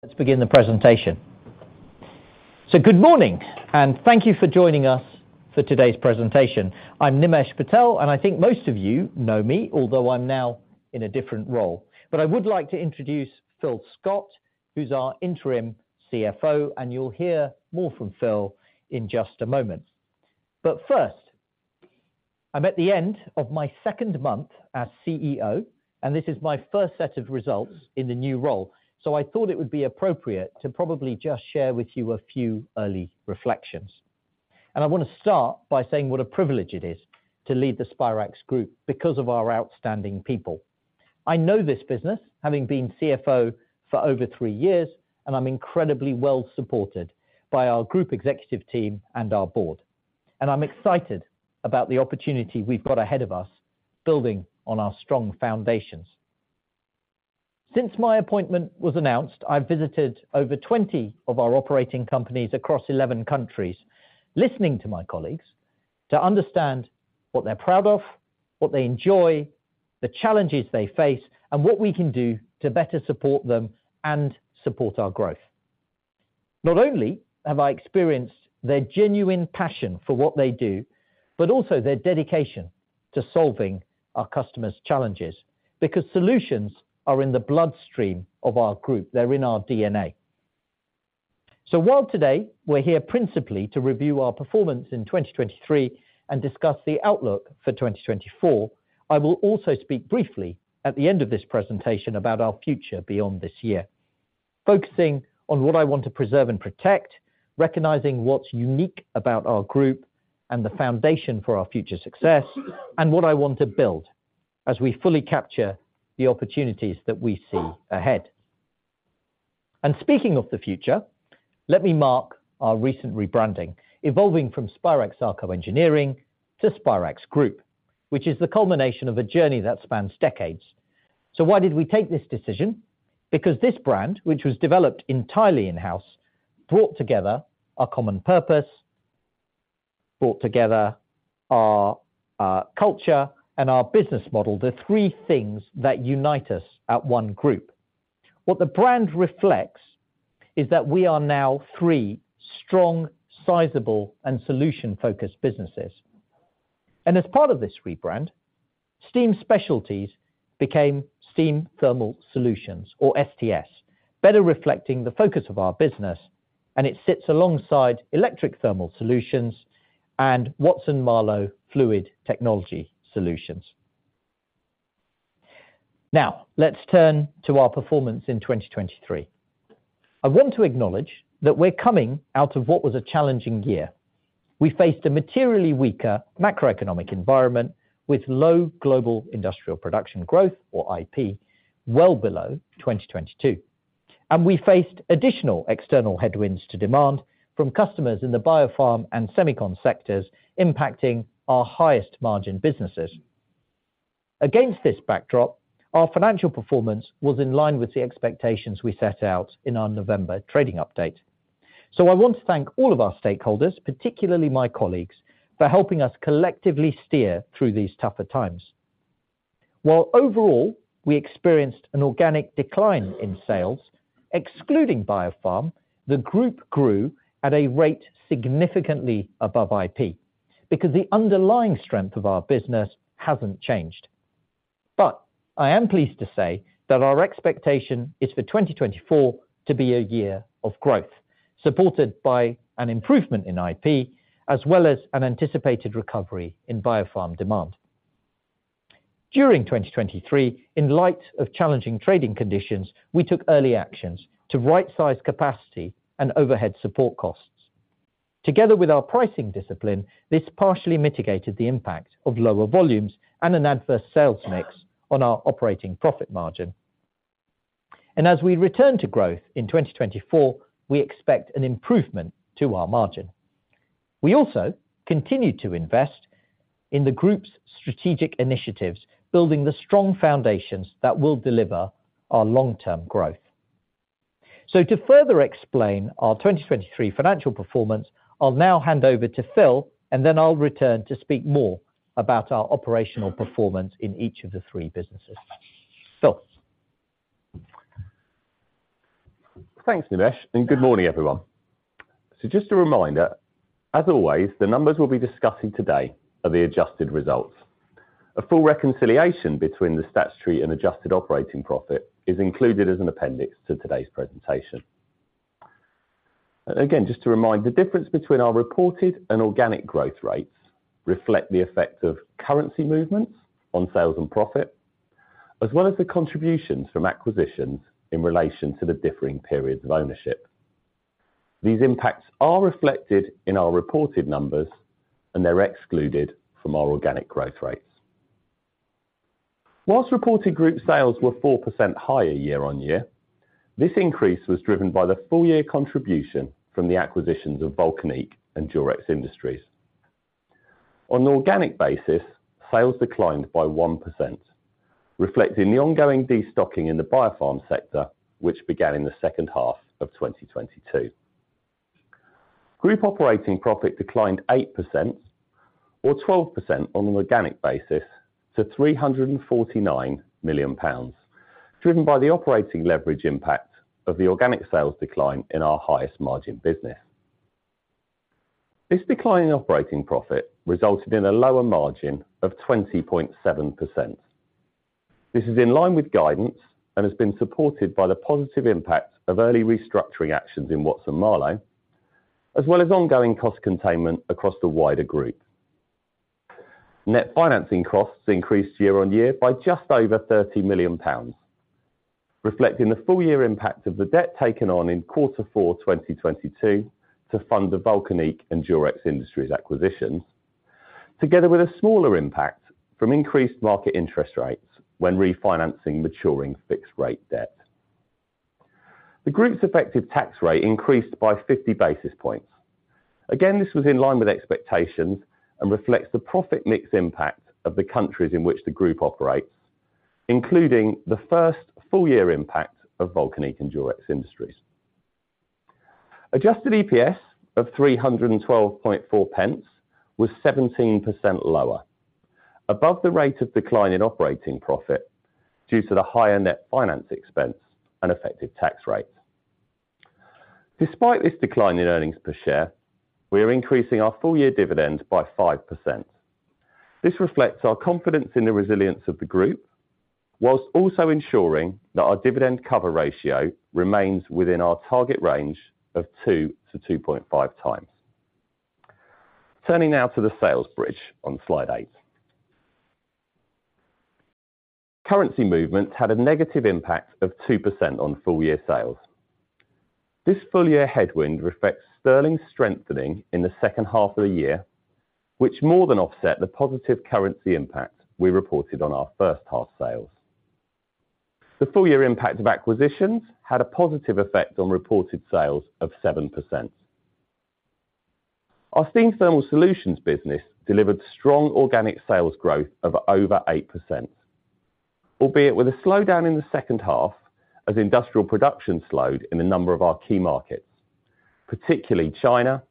Let's begin the presentation. Good morning, and thank you for joining us for today's presentation. I'm Nimesh Patel, and I think most of you know me, although I'm now in a different role. I would like to introduce Phil Scott, who's our Interim CFO, and you'll hear more from Phil in just a moment. First, I'm at the end of my second month as CEO, and this is my first set of results in the new role, so I thought it would be appropriate to probably just share with you a few early reflections. I want to start by saying what a privilege it is to lead the Spirax Group because of our outstanding people. I know this business, having been CFO for over three years, and I'm incredibly well supported by our group executive team and our board. I'm excited about the opportunity we've got ahead of us, building on our strong foundations. Since my appointment was announced, I've visited over 20 of our operating companies across 11 countries, listening to my colleagues to understand what they're proud of, what they enjoy, the challenges they face, and what we can do to better support them and support our growth. Not only have I experienced their genuine passion for what they do, but also their dedication to solving our customers' challenges, because solutions are in the bloodstream of our group. They're in our DNA. So while today we're here principally to review our performance in 2023 and discuss the outlook for 2024, I will also speak briefly at the end of this presentation about our future beyond this year, focusing on what I want to preserve and protect, recognizing what's unique about our group and the foundation for our future success, and what I want to build as we fully capture the opportunities that we see ahead. And speaking of the future, let me mark our recent rebranding, evolving from Spirax-Sarco Engineering to Spirax Group, which is the culmination of a journey that spans decades. So why did we take this decision? Because this brand, which was developed entirely in-house, brought together a common purpose, brought together our culture and our business model, the three things that unite us at one group. What the brand reflects is that we are now three strong, sizable, and solution-focused businesses. As part of this rebrand, Steam Specialties became Steam Thermal Solutions, or STS, better reflecting the focus of our business, and it sits alongside Electric Thermal Solutions and Watson-Marlow Fluid Technology Solutions. Now, let's turn to our performance in 2023. I want to acknowledge that we're coming out of what was a challenging year. We faced a materially weaker macroeconomic environment with low global industrial production growth, or IP, well below 2022, and we faced additional external headwinds to demand from customers in the Biopharm and Semicon sectors, impacting our highest margin businesses. Against this backdrop, our financial performance was in line with the expectations we set out in our November trading update. So I want to thank all of our stakeholders, particularly my colleagues, for helping us collectively steer through these tougher times. While overall, we experienced an organic decline in sales, excluding biopharm, the group grew at a rate significantly above IP, because the underlying strength of our business hasn't changed. But I am pleased to say that our expectation is for 2024 to be a year of growth, supported by an improvement in IP, as well as an anticipated recovery in biopharm demand. During 2023, in light of challenging trading conditions, we took early actions to rightsize capacity and overhead support costs. Together with our pricing discipline, this partially mitigated the impact of lower volumes and an adverse sales mix on our operating profit margin. And as we return to growth in 2024, we expect an improvement to our margin. We also continued to invest in the group's strategic initiatives, building the strong foundations that will deliver our long-term growth. To further explain our 2023 financial performance, I'll now hand over to Phil, and then I'll return to speak more about our operational performance in each of the three businesses. Phil? Thanks, Nimesh, and good morning, everyone. So just a reminder, as always, the numbers we'll be discussing today are the adjusted results. A full reconciliation between the statutory and adjusted operating profit is included as an appendix to today's presentation. Again, just to remind, the difference between our reported and organic growth rates reflect the effect of currency movements on sales and profit, as well as the contributions from acquisitions in relation to the differing periods of ownership. These impacts are reflected in our reported numbers, and they're excluded from our organic growth rates. Whilst reported group sales were 4% higher year-on-year, this increase was driven by the full year contribution from the acquisitions of Vulcanic and Durex Industries. On an organic basis, sales declined by 1%, reflecting the ongoing destocking in the biopharm sector, which began in the second half of 2022.... Group operating profit declined 8%, or 12% on an organic basis, to 349 million pounds, driven by the operating leverage impact of the organic sales decline in our highest margin business. This decline in operating profit resulted in a lower margin of 20.7%. This is in line with guidance and has been supported by the positive impact of early restructuring actions in Watson-Marlow, as well as ongoing cost containment across the wider group. Net financing costs increased year on year by just over 30 million pounds, reflecting the full year impact of the debt taken on in quarter four, 2022 to fund the Vulcanic and Durex Industries acquisitions, together with a smaller impact from increased market interest rates when refinancing maturing fixed rate debt. The group's effective tax rate increased by 50 basis points. Again, this was in line with expectations and reflects the profit mix impact of the countries in which the group operates, including the first full year impact of Vulcanic and Durex Industries. Adjusted EPS of 312.4 pence was 17% lower, above the rate of decline in operating profit due to the higher net finance expense and effective tax rate. Despite this decline in earnings per share, we are increasing our full year dividend by 5%. This reflects our confidence in the resilience of the group, whilst also ensuring that our dividend cover ratio remains within our target range of 2-2.5x. Turning now to the sales bridge on slide eight. Currency movement had a negative impact of 2% on full year sales. This full-year headwind reflects sterling strengthening in the second half of the year, which more than offset the positive currency impact we reported on our first half sales. The full-year impact of acquisitions had a positive effect on reported sales of 7%. Our Steam Thermal Solutions business delivered strong organic sales growth of over 8%, albeit with a slowdown in the second half as industrial production slowed in a number of our key markets, particularly China,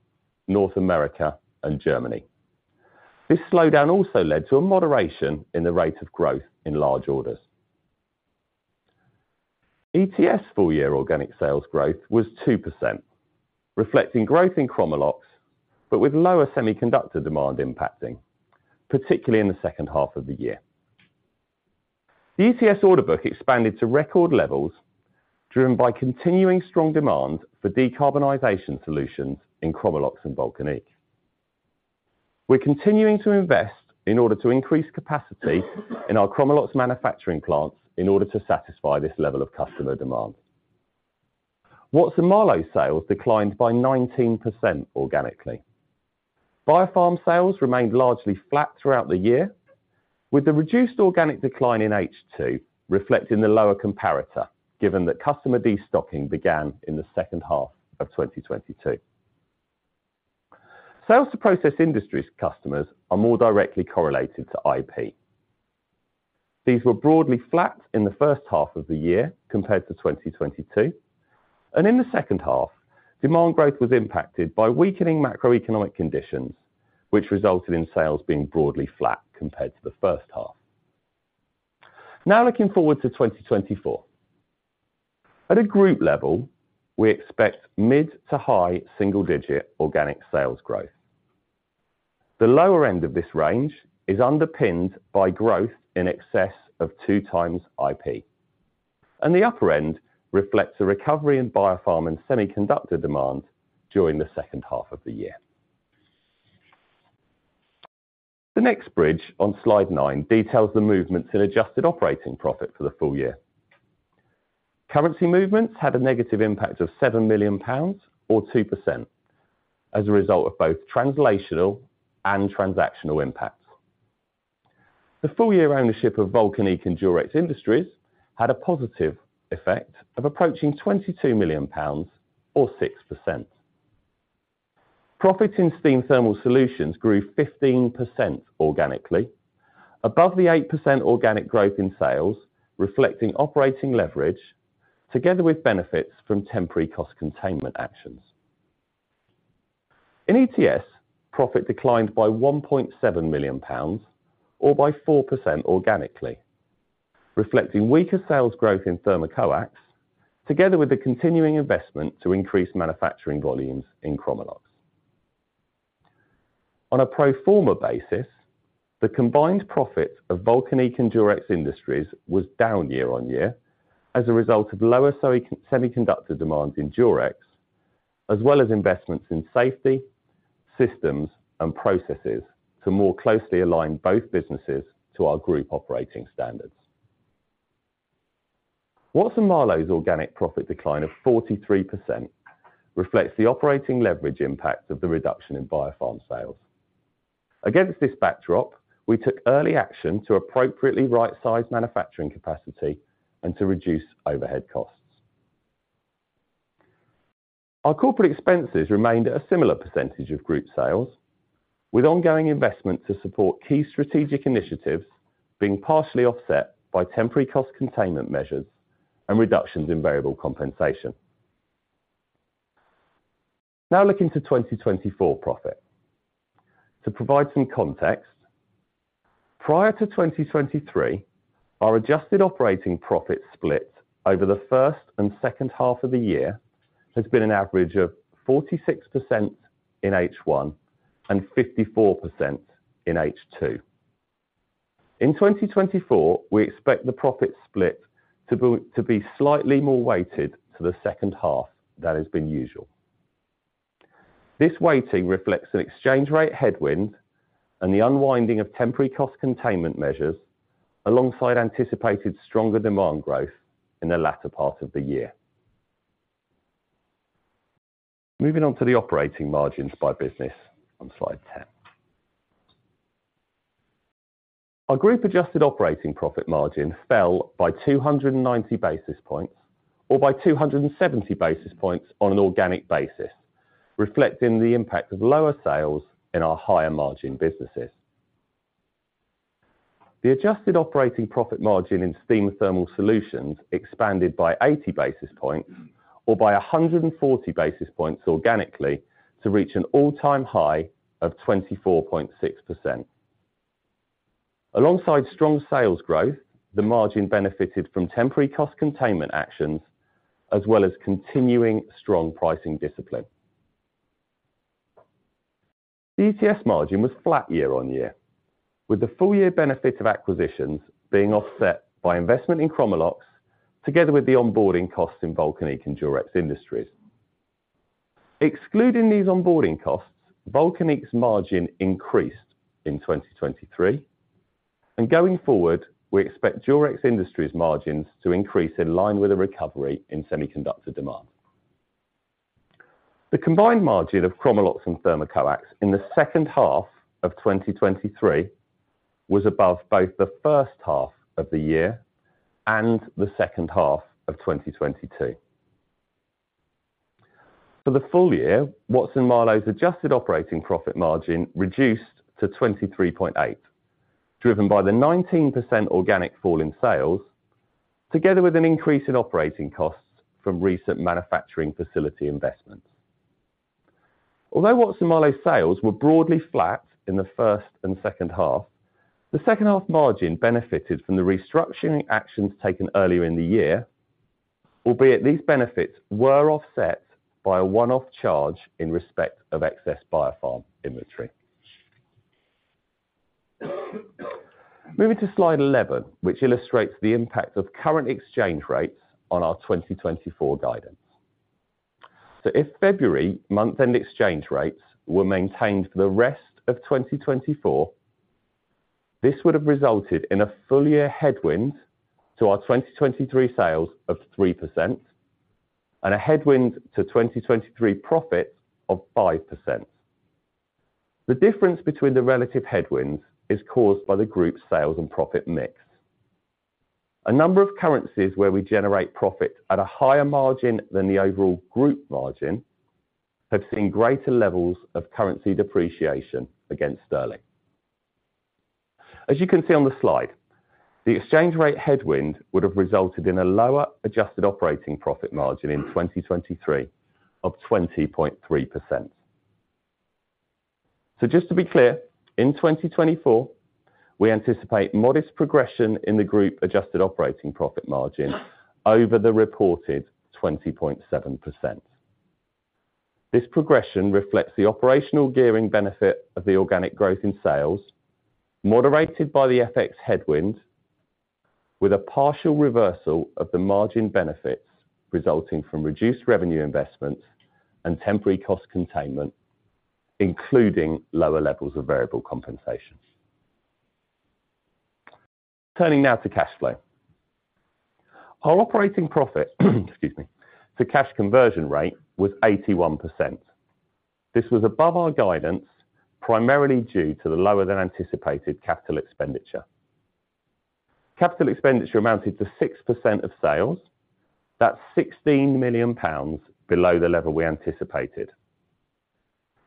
North America, and Germany. This slowdown also led to a moderation in the rate of growth in large orders. ETS full-year organic sales growth was 2%, reflecting growth in Chromalox, but with lower semiconductor demand impacting, particularly in the second half of the year. The ETS order book expanded to record levels, driven by continuing strong demand for decarbonization solutions in Chromalox and Vulcanic. We're continuing to invest in order to increase capacity in our Chromalox manufacturing plants in order to satisfy this level of customer demand. Watson-Marlow sales declined by 19% organically. Biopharm sales remained largely flat throughout the year, with the reduced organic decline in H2 reflecting the lower comparator, given that customer destocking began in the second half of 2022. Sales to process industries customers are more directly correlated to IP. These were broadly flat in the first half of the year compared to 2022, and in the second half, demand growth was impacted by weakening macroeconomic conditions, which resulted in sales being broadly flat compared to the first half. Now, looking forward to 2024. At a group level, we expect mid- to high-single-digit organic sales growth. The lower end of this range is underpinned by growth in excess of 2x IP, and the upper end reflects a recovery in Biopharm and semiconductor demand during the second half of the year. The next bridge on slide nine details the movements in adjusted operating profit for the full year. Currency movements had a negative impact of 7 million pounds or 2% as a result of both translational and transactional impacts. The full year ownership of Vulcanic and Durex Industries had a positive effect of approaching 22 million pounds or 6%. Profit in Steam Thermal Solutions grew 15% organically, above the 8% organic growth in sales, reflecting operating leverage together with benefits from temporary cost containment actions. In ETS, profit declined by 1.7 million pounds or by 4% organically, reflecting weaker sales growth in Thermocoax, together with the continuing investment to increase manufacturing volumes in Chromalox. On a pro forma basis, the combined profit of Vulcanic and Durex Industries was down year on year as a result of lower semi, semiconductor demand in Durex, as well as investments in safety, systems, and processes to more closely align both businesses to our group operating standards. Watson-Marlow's organic profit decline of 43% reflects the operating leverage impact of the reduction in biopharm sales. Against this backdrop, we took early action to appropriately right-size manufacturing capacity and to reduce overhead costs. Our corporate expenses remained at a similar percentage of group sales, with ongoing investment to support key strategic initiatives, being partially offset by temporary cost containment measures and reductions in variable compensation. Now looking to 2024 profit. To provide some context, prior to 2023, our adjusted operating profit split over the first and second half of the year, has been an average of 46% in H1 and 54% in H2. In 2024, we expect the profit split to be, to be slightly more weighted to the second half than has been usual. This weighting reflects an exchange rate headwind and the unwinding of temporary cost containment measures, alongside anticipated stronger demand growth in the latter part of the year. Moving on to the operating margins by business on slide 10. Our group adjusted operating profit margin fell by 290 basis points or by 270 basis points on an organic basis, reflecting the impact of lower sales in our higher margin businesses. The adjusted operating profit margin in Steam Thermal Solutions expanded by 80 basis points or by 140 basis points organically, to reach an all-time high of 24.6%. Alongside strong sales growth, the margin benefited from temporary cost containment actions, as well as continuing strong pricing discipline. The ETS margin was flat year-on-year, with the full year benefit of acquisitions being offset by investment in Chromalox, together with the onboarding costs in Vulcanic and Durex Industries. Excluding these onboarding costs, Vulcanic's margin increased in 2023, and going forward, we expect Durex Industries margins to increase in line with a recovery in semiconductor demand. The combined margin of Chromalox and Thermocoax in the second half of 2023 was above both the first half of the year and the second half of 2022. For the full year, Watson-Marlow's adjusted operating profit margin reduced to 23.8, driven by the 19% organic fall in sales, together with an increase in operating costs from recent manufacturing facility investments. Although Watson-Marlow's sales were broadly flat in the first and second half, the second half margin benefited from the restructuring actions taken earlier in the year, albeit these benefits were offset by a one-off charge in respect of excess Biopharm inventory. Moving to slide 11, which illustrates the impact of current exchange rates on our 2024 guidance. So if February month-end exchange rates were maintained for the rest of 2024, this would have resulted in a full year headwind to our 2023 sales of 3% and a headwind to 2023 profits of 5%. The difference between the relative headwinds is caused by the group's sales and profit mix. A number of currencies where we generate profit at a higher margin than the overall group margin, have seen greater levels of currency depreciation against sterling. As you can see on the slide, the exchange rate headwind would have resulted in a lower adjusted operating profit margin in 2023 of 20.3%. So just to be clear, in 2024, we anticipate modest progression in the group adjusted operating profit margin over the reported 20.7%. This progression reflects the operational gearing benefit of the organic growth in sales, moderated by the FX headwind, with a partial reversal of the margin benefits resulting from reduced revenue investments and temporary cost containment, including lower levels of variable compensation. Turning now to cash flow. Our operating profit, excuse me, to cash conversion rate was 81%. This was above our guidance, primarily due to the lower than anticipated capital expenditure. Capital expenditure amounted to 6% of sales. That's 16 million pounds below the level we anticipated.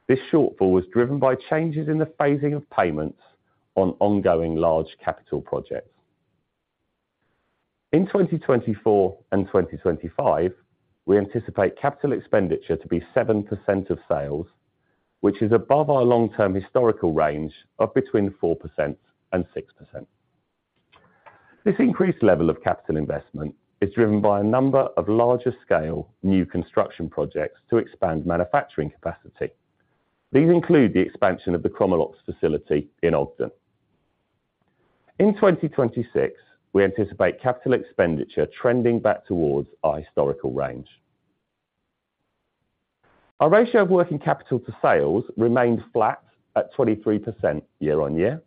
This shortfall was driven by changes in the phasing of payments on ongoing large capital projects. In 2024 and 2025, we anticipate capital expenditure to be 7% of sales, which is above our long-term historical range of between 4% and 6%. This increased level of capital investment is driven by a number of larger scale new construction projects to expand manufacturing capacity. These include the expansion of the Chromalox facility in Ogden. In 2026, we anticipate capital expenditure trending back towards our historical range. Our ratio of working capital to sales remained flat at 23% year-on-year,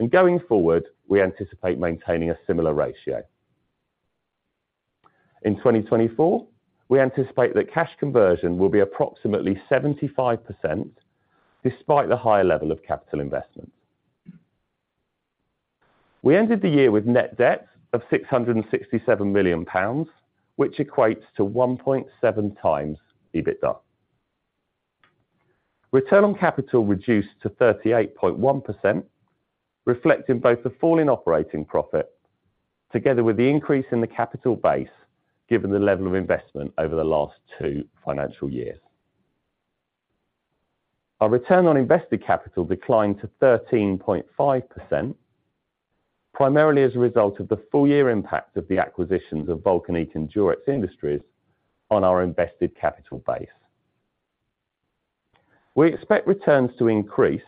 and going forward, we anticipate maintaining a similar ratio. In 2024, we anticipate that cash conversion will be approximately 75%, despite the higher level of capital investment. We ended the year with net debt of 667 million pounds, which equates to 1.7x EBITDA. Return on capital reduced to 38.1%, reflecting both the fall in operating profit together with the increase in the capital base, given the level of investment over the last two financial years. Our return on invested capital declined to 13.5%, primarily as a result of the full year impact of the acquisitions of Vulcanic and Durex Industries on our invested capital base. We expect returns to increase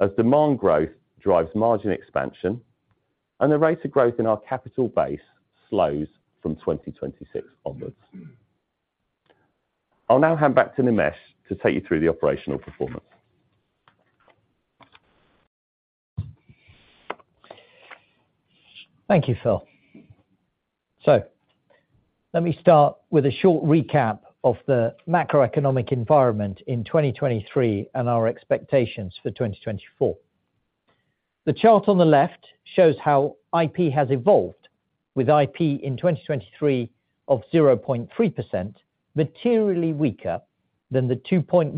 as demand growth drives margin expansion, and the rate of growth in our capital base slows from 2026 onwards. I'll now hand back to Nimesh to take you through the operational performance. Thank you, Phil. So let me start with a short recap of the macroeconomic environment in 2023, and our expectations for 2024. The chart on the left shows how IP has evolved, with IP in 2023 of 0.3%, materially weaker than the 2.1%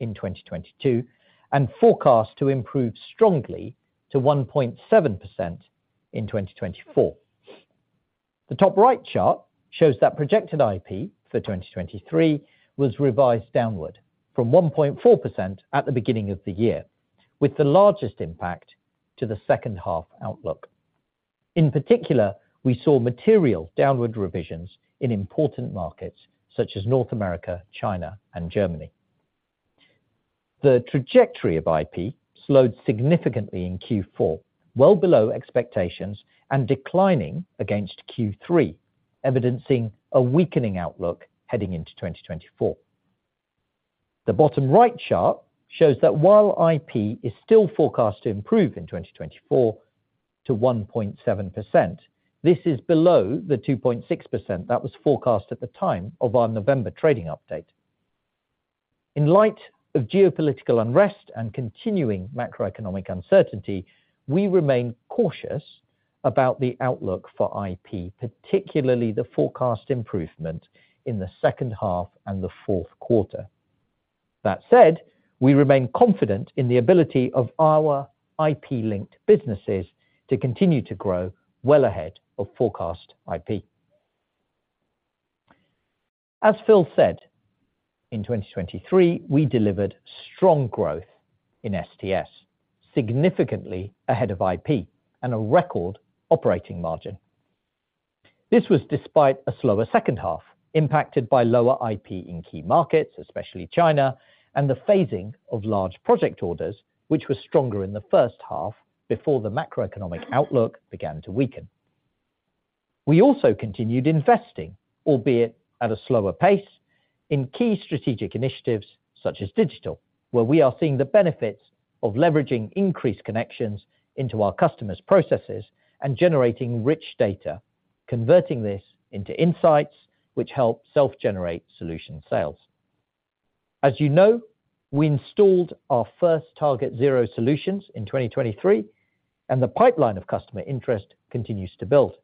in 2022, and forecast to improve strongly to 1.7% in 2024. The top right chart shows that projected IP for 2023 was revised downward from 1.4% at the beginning of the year, with the largest impact to the second half outlook. In particular, we saw material downward revisions in important markets such as North America, China and Germany. The trajectory of IP slowed significantly in Q4, well below expectations and declining against Q3, evidencing a weakening outlook heading into 2024. The bottom right chart shows that while IP is still forecast to improve in 2024 to 1.7%, this is below the 2.6% that was forecast at the time of our November trading update. In light of geopolitical unrest and continuing macroeconomic uncertainty, we remain cautious about the outlook for IP, particularly the forecast improvement in the second half and the fourth quarter. That said, we remain confident in the ability of our IP-linked businesses to continue to grow well ahead of forecast IP. As Phil said, in 2023, we delivered strong growth in STS, significantly ahead of IP and a record operating margin. This was despite a slower second half, impacted by lower IP in key markets, especially China, and the phasing of large project orders, which were stronger in the first half before the macroeconomic outlook began to weaken. We also continued investing, albeit at a slower pace, in key strategic initiatives such as digital, where we are seeing the benefits of leveraging increased connections into our customers' processes and generating rich data, converting this into insights which help self-generate solution sales. As you know, we installed our first TargetZero solutions in 2023, and the pipeline of customer interest continues to build.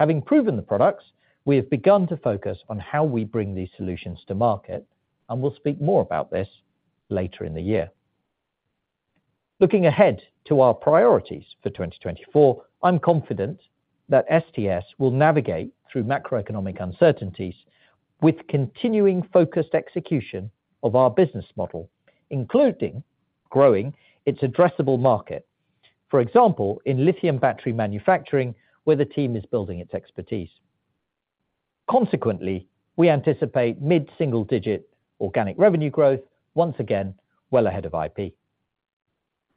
Having proven the products, we have begun to focus on how we bring these solutions to market, and we'll speak more about this later in the year. Looking ahead to our priorities for 2024, I'm confident that STS will navigate through macroeconomic uncertainties with continuing focused execution of our business model, including growing its addressable market. For example, in lithium battery manufacturing, where the team is building its expertise. Consequently, we anticipate mid-single-digit organic revenue growth once again, well ahead of IP.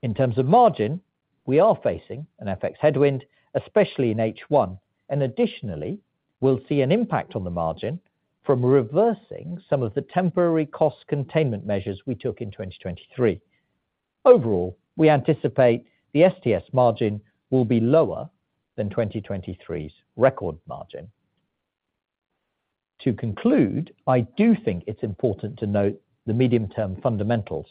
In terms of margin, we are facing an FX headwind, especially in H1, and additionally, we'll see an impact on the margin from reversing some of the temporary cost containment measures we took in 2023. Overall, we anticipate the STS margin will be lower than 2023's record margin. To conclude, I do think it's important to note the medium-term fundamentals.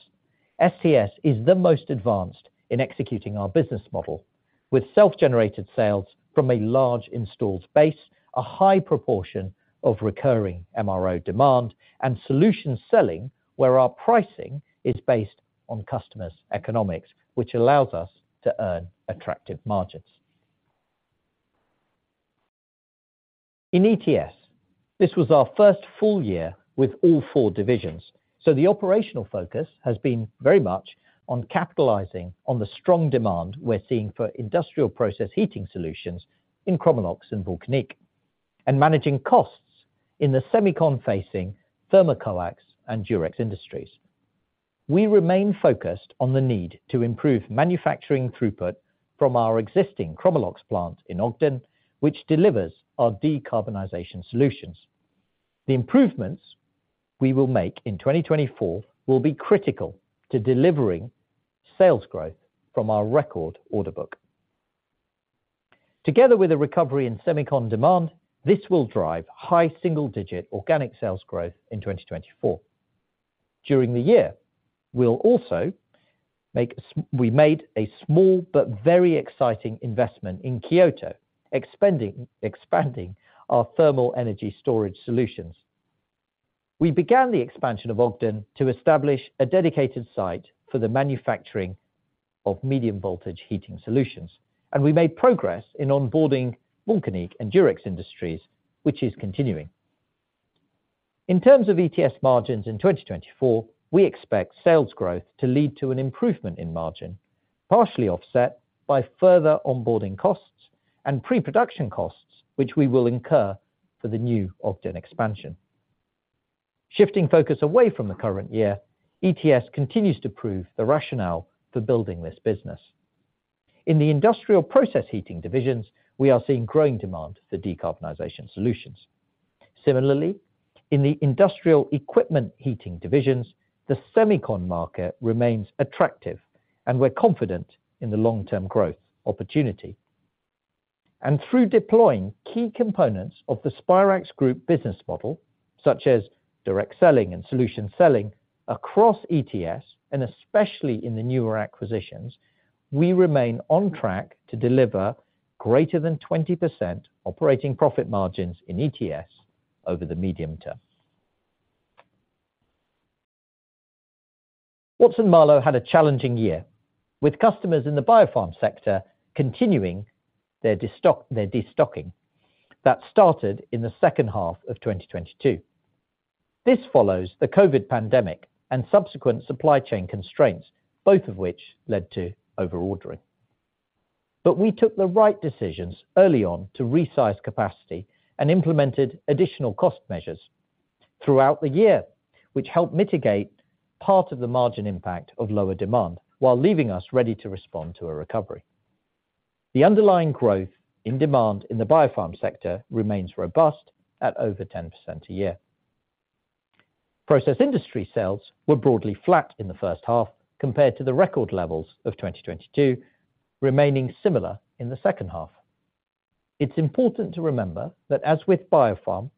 STS is the most advanced in executing our business model, with self-generated sales from a large installed base, a high proportion of recurring MRO demand, and solution selling, where our pricing is based on customers' economics, which allows us to earn attractive margins. In ETS, this was our first full year with all four divisions, so the operational focus has been very much on capitalizing on the strong demand we're seeing for industrial process heating solutions in Chromalox and Vulcanic, and managing costs in the Semicon facing Thermocoax and Durex Industries. We remain focused on the need to improve manufacturing throughput from our existing Chromalox plant in Ogden, which delivers our decarbonization solutions. The improvements we will make in 2024 will be critical to delivering sales growth from our record order book. Together with a recovery in Semicon demand, this will drive high single digit organic sales growth in 2024 during the year. We'll also, we made a small but very exciting investment in Kyoto, expanding our thermal energy storage solutions. We began the expansion of Ogden to establish a dedicated site for the manufacturing of medium voltage heating solutions, and we made progress in onboarding Vulcanic and Durex Industries, which is continuing. In terms of ETS margins in 2024, we expect sales growth to lead to an improvement in margin, partially offset by further onboarding costs and pre-production costs, which we will incur for the new Ogden expansion. Shifting focus away from the current year, ETS continues to prove the rationale for building this business. In the industrial process heating divisions, we are seeing growing demand for decarbonization solutions. Similarly, in the industrial equipment heating divisions, the Semicon market remains attractive, and we're confident in the long-term growth opportunity. Through deploying key components of the Spirax Group business model, such as direct selling and solution selling across ETS, and especially in the newer acquisitions, we remain on track to deliver greater than 20% operating profit margins in ETS over the medium term. Watson-Marlow had a challenging year, with customers in the biopharm sector continuing their destocking that started in the second half of 2022. This follows the Covid pandemic and subsequent supply chain constraints, both of which led to over ordering. We took the right decisions early on to resize capacity and implemented additional cost measures throughout the year, which helped mitigate part of the margin impact of lower demand, while leaving us ready to respond to a recovery. The underlying growth in demand in the biopharm sector remains robust at over 10% a year. Process industry sales were broadly flat in the first half compared to the record levels of 2022, remaining similar in the second half. It's important to remember that as with biopharm,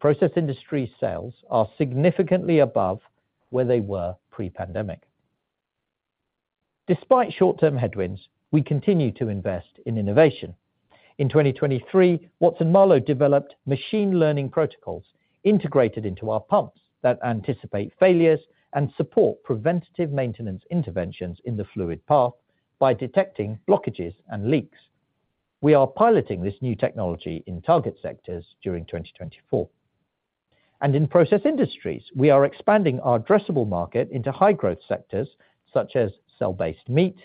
process industry sales are significantly above where they were pre-pandemic. Despite short-term headwinds, we continue to invest in innovation. In 2023, Watson-Marlow developed machine learning protocols integrated into our pumps that anticipate failures and support preventative maintenance interventions in the fluid path by detecting blockages and leaks. We are piloting this new technology in target sectors during 2024. In process industries, we are expanding our addressable market into high growth sectors such as cell-based meat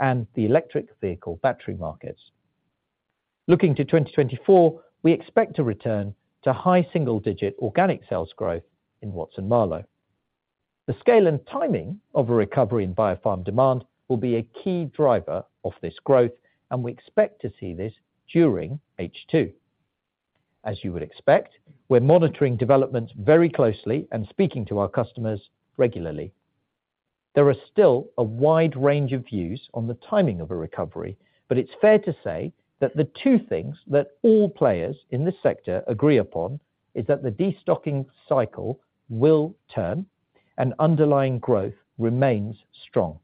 and the electric vehicle battery markets. Looking to 2024, we expect to return to high single-digit organic sales growth in Watson-Marlow. The scale and timing of a recovery in Biopharm demand will be a key driver of this growth, and we expect to see this during H2. As you would expect, we're monitoring developments very closely and speaking to our customers regularly. There are still a wide range of views on the timing of a recovery, but it's fair to say that the two things that all players in this sector agree upon, is that the destocking cycle will turn and underlying growth remains strong.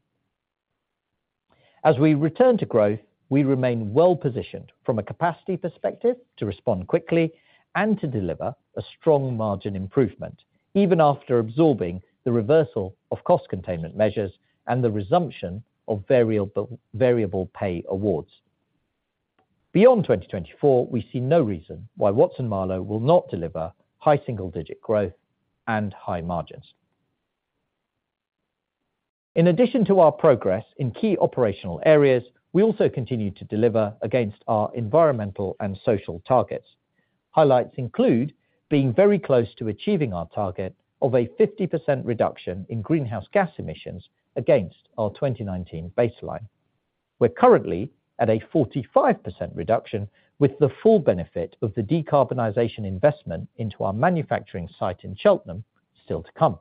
As we return to growth, we remain well-positioned from a capacity perspective to respond quickly and to deliver a strong margin improvement, even after absorbing the reversal of cost containment measures and the resumption of variable, variable pay awards. Beyond 2024, we see no reason why Watson-Marlow will not deliver high single digit growth and high margins. In addition to our progress in key operational areas, we also continue to deliver against our environmental and social targets. Highlights include being very close to achieving our target of a 50% reduction in greenhouse gas emissions against our 2019 baseline. We're currently at a 45% reduction, with the full benefit of the decarbonization investment into our manufacturing site in Cheltenham still to come.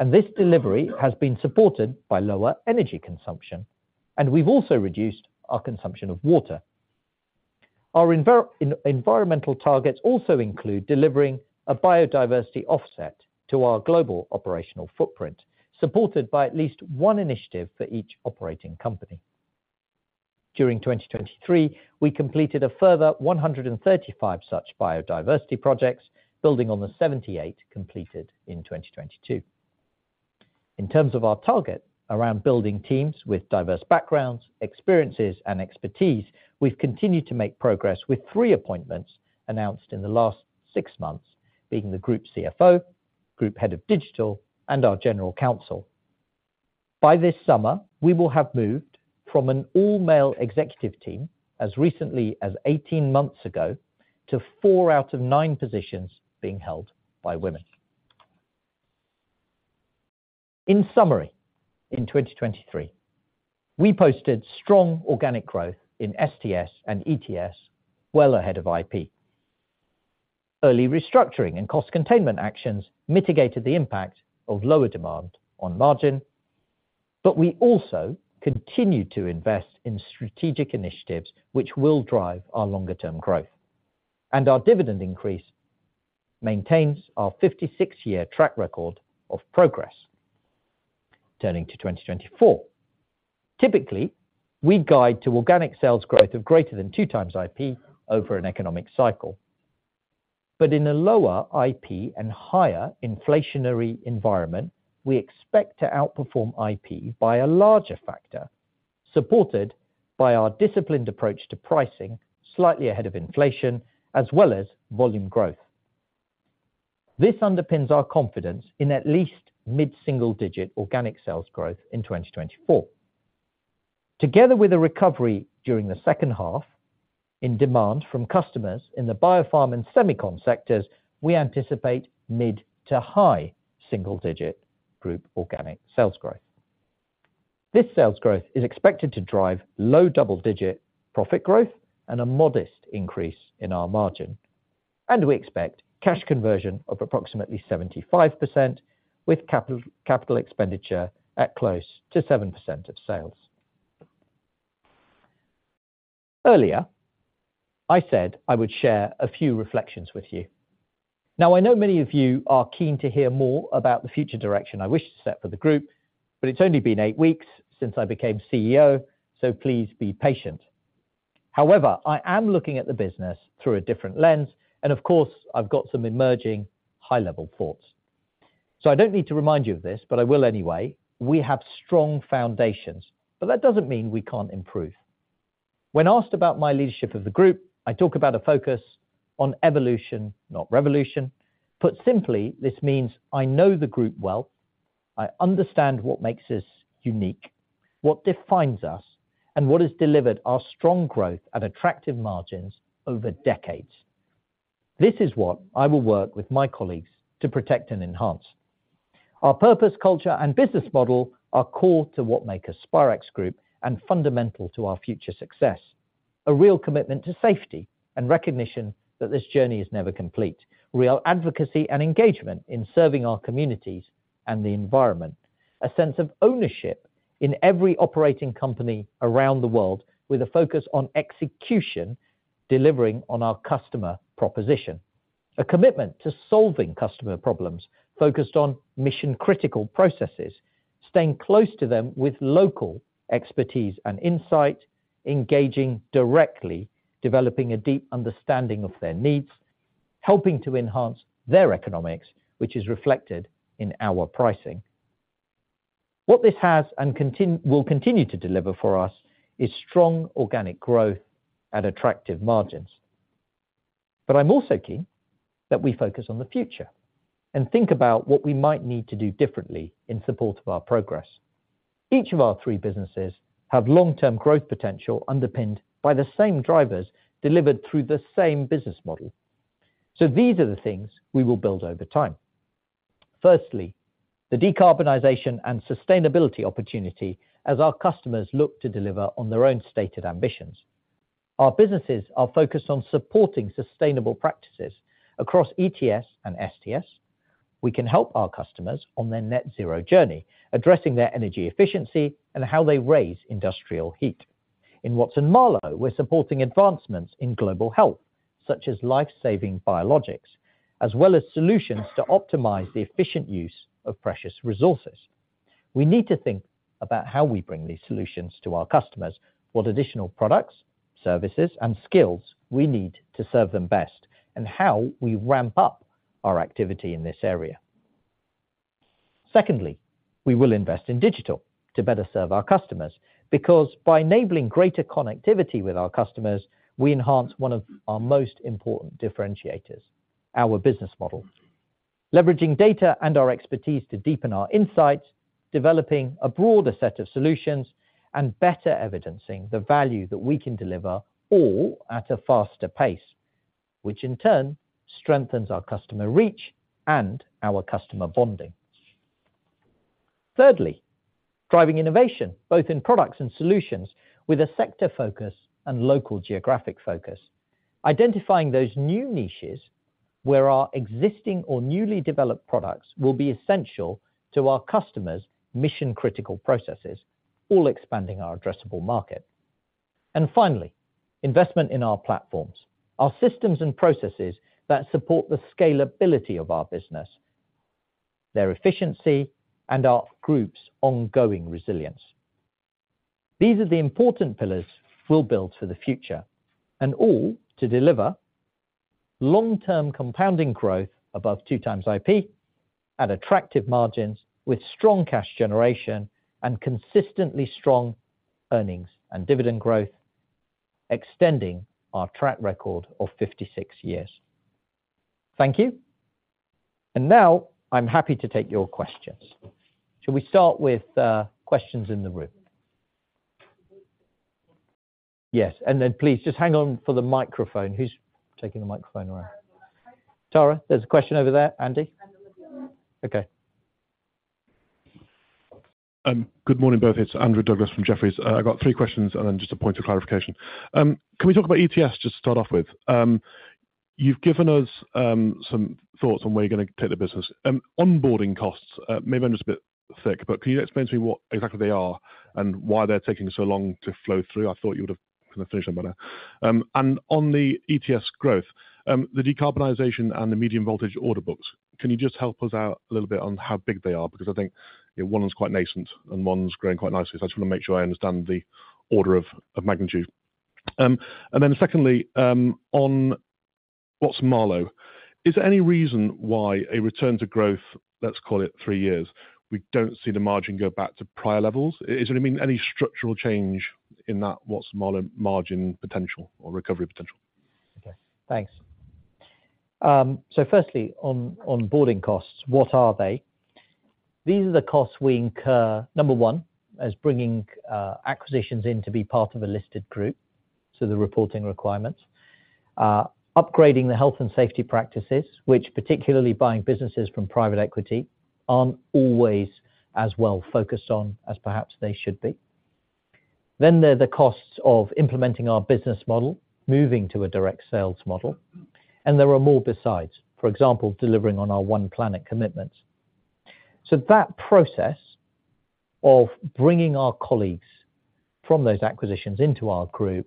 And this delivery has been supported by lower energy consumption, and we've also reduced our consumption of water. Our environmental targets also include delivering a biodiversity offset to our global operational footprint, supported by at least one initiative for each operating company. During 2023, we completed a further 135 such biodiversity projects, building on the 78 completed in 2022. In terms of our target around building teams with diverse backgrounds, experiences, and expertise, we've continued to make progress with three appointments announced in the last six months, being the Group CFO, Group Head of Digital, and our General Counsel. By this summer, we will have moved from an all-male executive team, as recently as 18 months ago, to four out of nine positions being held by women. In summary, in 2023, we posted strong organic growth in STS and ETS, well ahead of IP. Early restructuring and cost containment actions mitigated the impact of lower demand on margin... but we also continue to invest in strategic initiatives, which will drive our longer-term growth. Our dividend increase maintains our 56-year track record of progress. Turning to 2024. Typically, we guide to organic sales growth of greater than 2x IP over an economic cycle. But in a lower IP and higher inflationary environment, we expect to outperform IP by a larger factor, supported by our disciplined approach to pricing, slightly ahead of inflation, as well as volume growth. This underpins our confidence in at least mid-single digit organic sales growth in 2024. Together with a recovery during the second half in demand from customers in the Biopharm and Semicon sectors, we anticipate mid- to high-single-digit group organic sales growth. This sales growth is expected to drive low double-digit profit growth and a modest increase in our margin, and we expect cash conversion of approximately 75%, with capital expenditure at close to 7% of sales. Earlier, I said I would share a few reflections with you. Now, I know many of you are keen to hear more about the future direction I wish to set for the group, but it's only been eight weeks since I became CEO, so please be patient. However, I am looking at the business through a different lens, and of course, I've got some emerging high-level thoughts. So I don't need to remind you of this, but I will anyway, we have strong foundations, but that doesn't mean we can't improve. When asked about my leadership of the group, I talk about a focus on evolution, not revolution. Put simply, this means I know the group well, I understand what makes us unique, what defines us, and what has delivered our strong growth at attractive margins over decades. This is what I will work with my colleagues to protect and enhance. Our purpose, culture, and business model are core to what make us Spirax Group and fundamental to our future success. A real commitment to safety and recognition that this journey is never complete. Real advocacy and engagement in serving our communities and the environment. A sense of ownership in every operating company around the world, with a focus on execution, delivering on our customer proposition. A commitment to solving customer problems focused on mission-critical processes, staying close to them with local expertise and insight, engaging directly, developing a deep understanding of their needs, helping to enhance their economics, which is reflected in our pricing. What this has and will continue to deliver for us is strong organic growth at attractive margins. But I'm also keen that we focus on the future and think about what we might need to do differently in support of our progress. Each of our three businesses have long-term growth potential, underpinned by the same drivers, delivered through the same business model. So these are the things we will build over time. Firstly, the decarbonization and sustainability opportunity, as our customers look to deliver on their own stated ambitions. Our businesses are focused on supporting sustainable practices across ETS and STS. We can help our customers on their net zero journey, addressing their energy efficiency and how they raise industrial heat. In Watson-Marlow, we're supporting advancements in global health, such as life-saving biologics, as well as solutions to optimize the efficient use of precious resources. We need to think about how we bring these solutions to our customers, what additional products, services, and skills we need to serve them best, and how we ramp up our activity in this area. Secondly, we will invest in digital to better serve our customers, because by enabling greater connectivity with our customers, we enhance one of our most important differentiators, our business model. Leveraging data and our expertise to deepen our insights, developing a broader set of solutions, and better evidencing the value that we can deliver, all at a faster pace, which in turn strengthens our customer reach and our customer bonding. Thirdly, driving innovation both in products and solutions, with a sector focus and local geographic focus, identifying those new niches where our existing or newly developed products will be essential to our customers' mission-critical processes, all expanding our addressable market. And finally, investment in our platforms, our systems and processes that support the scalability of our business, their efficiency, and our group's ongoing resilience. These are the important pillars we'll build for the future, and all to deliver long-term compounding growth above 2x IP at attractive margins, with strong cash generation and consistently strong earnings and dividend growth, extending our track record of 56 years. Thank you. And now I'm happy to take your questions. Shall we start with questions in the room? Yes, and then please just hang on for the microphone. Who's taking the microphone around? Tara, there's a question over there. Andrew? Okay. Good morning, both. It's Andrew Douglas from Jefferies. I got three questions and then just a point of clarification. Can we talk about ETS, just to start off with? You've given us some thoughts on where you're gonna take the business. Onboarding costs, maybe I'm just a bit thick, but can you explain to me what exactly they are, and why they're taking so long to flow through? I thought you would've kind of finished them by now. And on the ETS growth, the decarbonization and the medium voltage order books, can you just help us out a little bit on how big they are? Because I think, you know, one's quite nascent and one's growing quite nicely. So I just wanna make sure I understand the order of, of magnitude. And then secondly, on Watson-Marlow, is there any reason why a return to growth, let's call it three years, we don't see the margin go back to prior levels? Is there, I mean, any structural change in that Watson-Marlow margin potential or recovery potential? Okay, thanks. So firstly, on onboarding costs, what are they? These are the costs we incur, number one, as bringing acquisitions in to be part of a listed group, so the reporting requirements. Upgrading the health and safety practices, which particularly buying businesses from private equity, aren't always as well focused on as perhaps they should be. Then there are the costs of implementing our business model, moving to a direct sales model, and there are more besides, for example, delivering on our One Planet commitments. So that process of bringing our colleagues from those acquisitions into our group,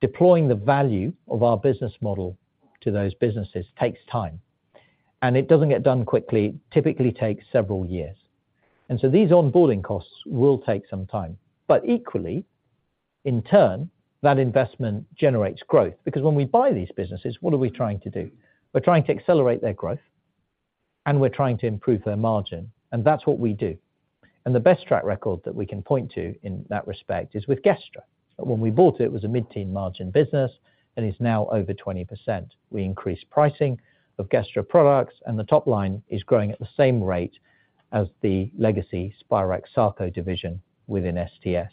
deploying the value of our business model to those businesses, takes time, and it doesn't get done quickly, typically takes several years. And so these onboarding costs will take some time, but equally, in turn, that investment generates growth, because when we buy these businesses, what are we trying to do? We're trying to accelerate their growth, and we're trying to improve their margin, and that's what we do. And the best track record that we can point to in that respect is with Gestra. When we bought it, it was a mid-teen margin business, and is now over 20%. We increased pricing of Gestra products, and the top line is growing at the same rate as the legacy Spirax Sarco division within STS.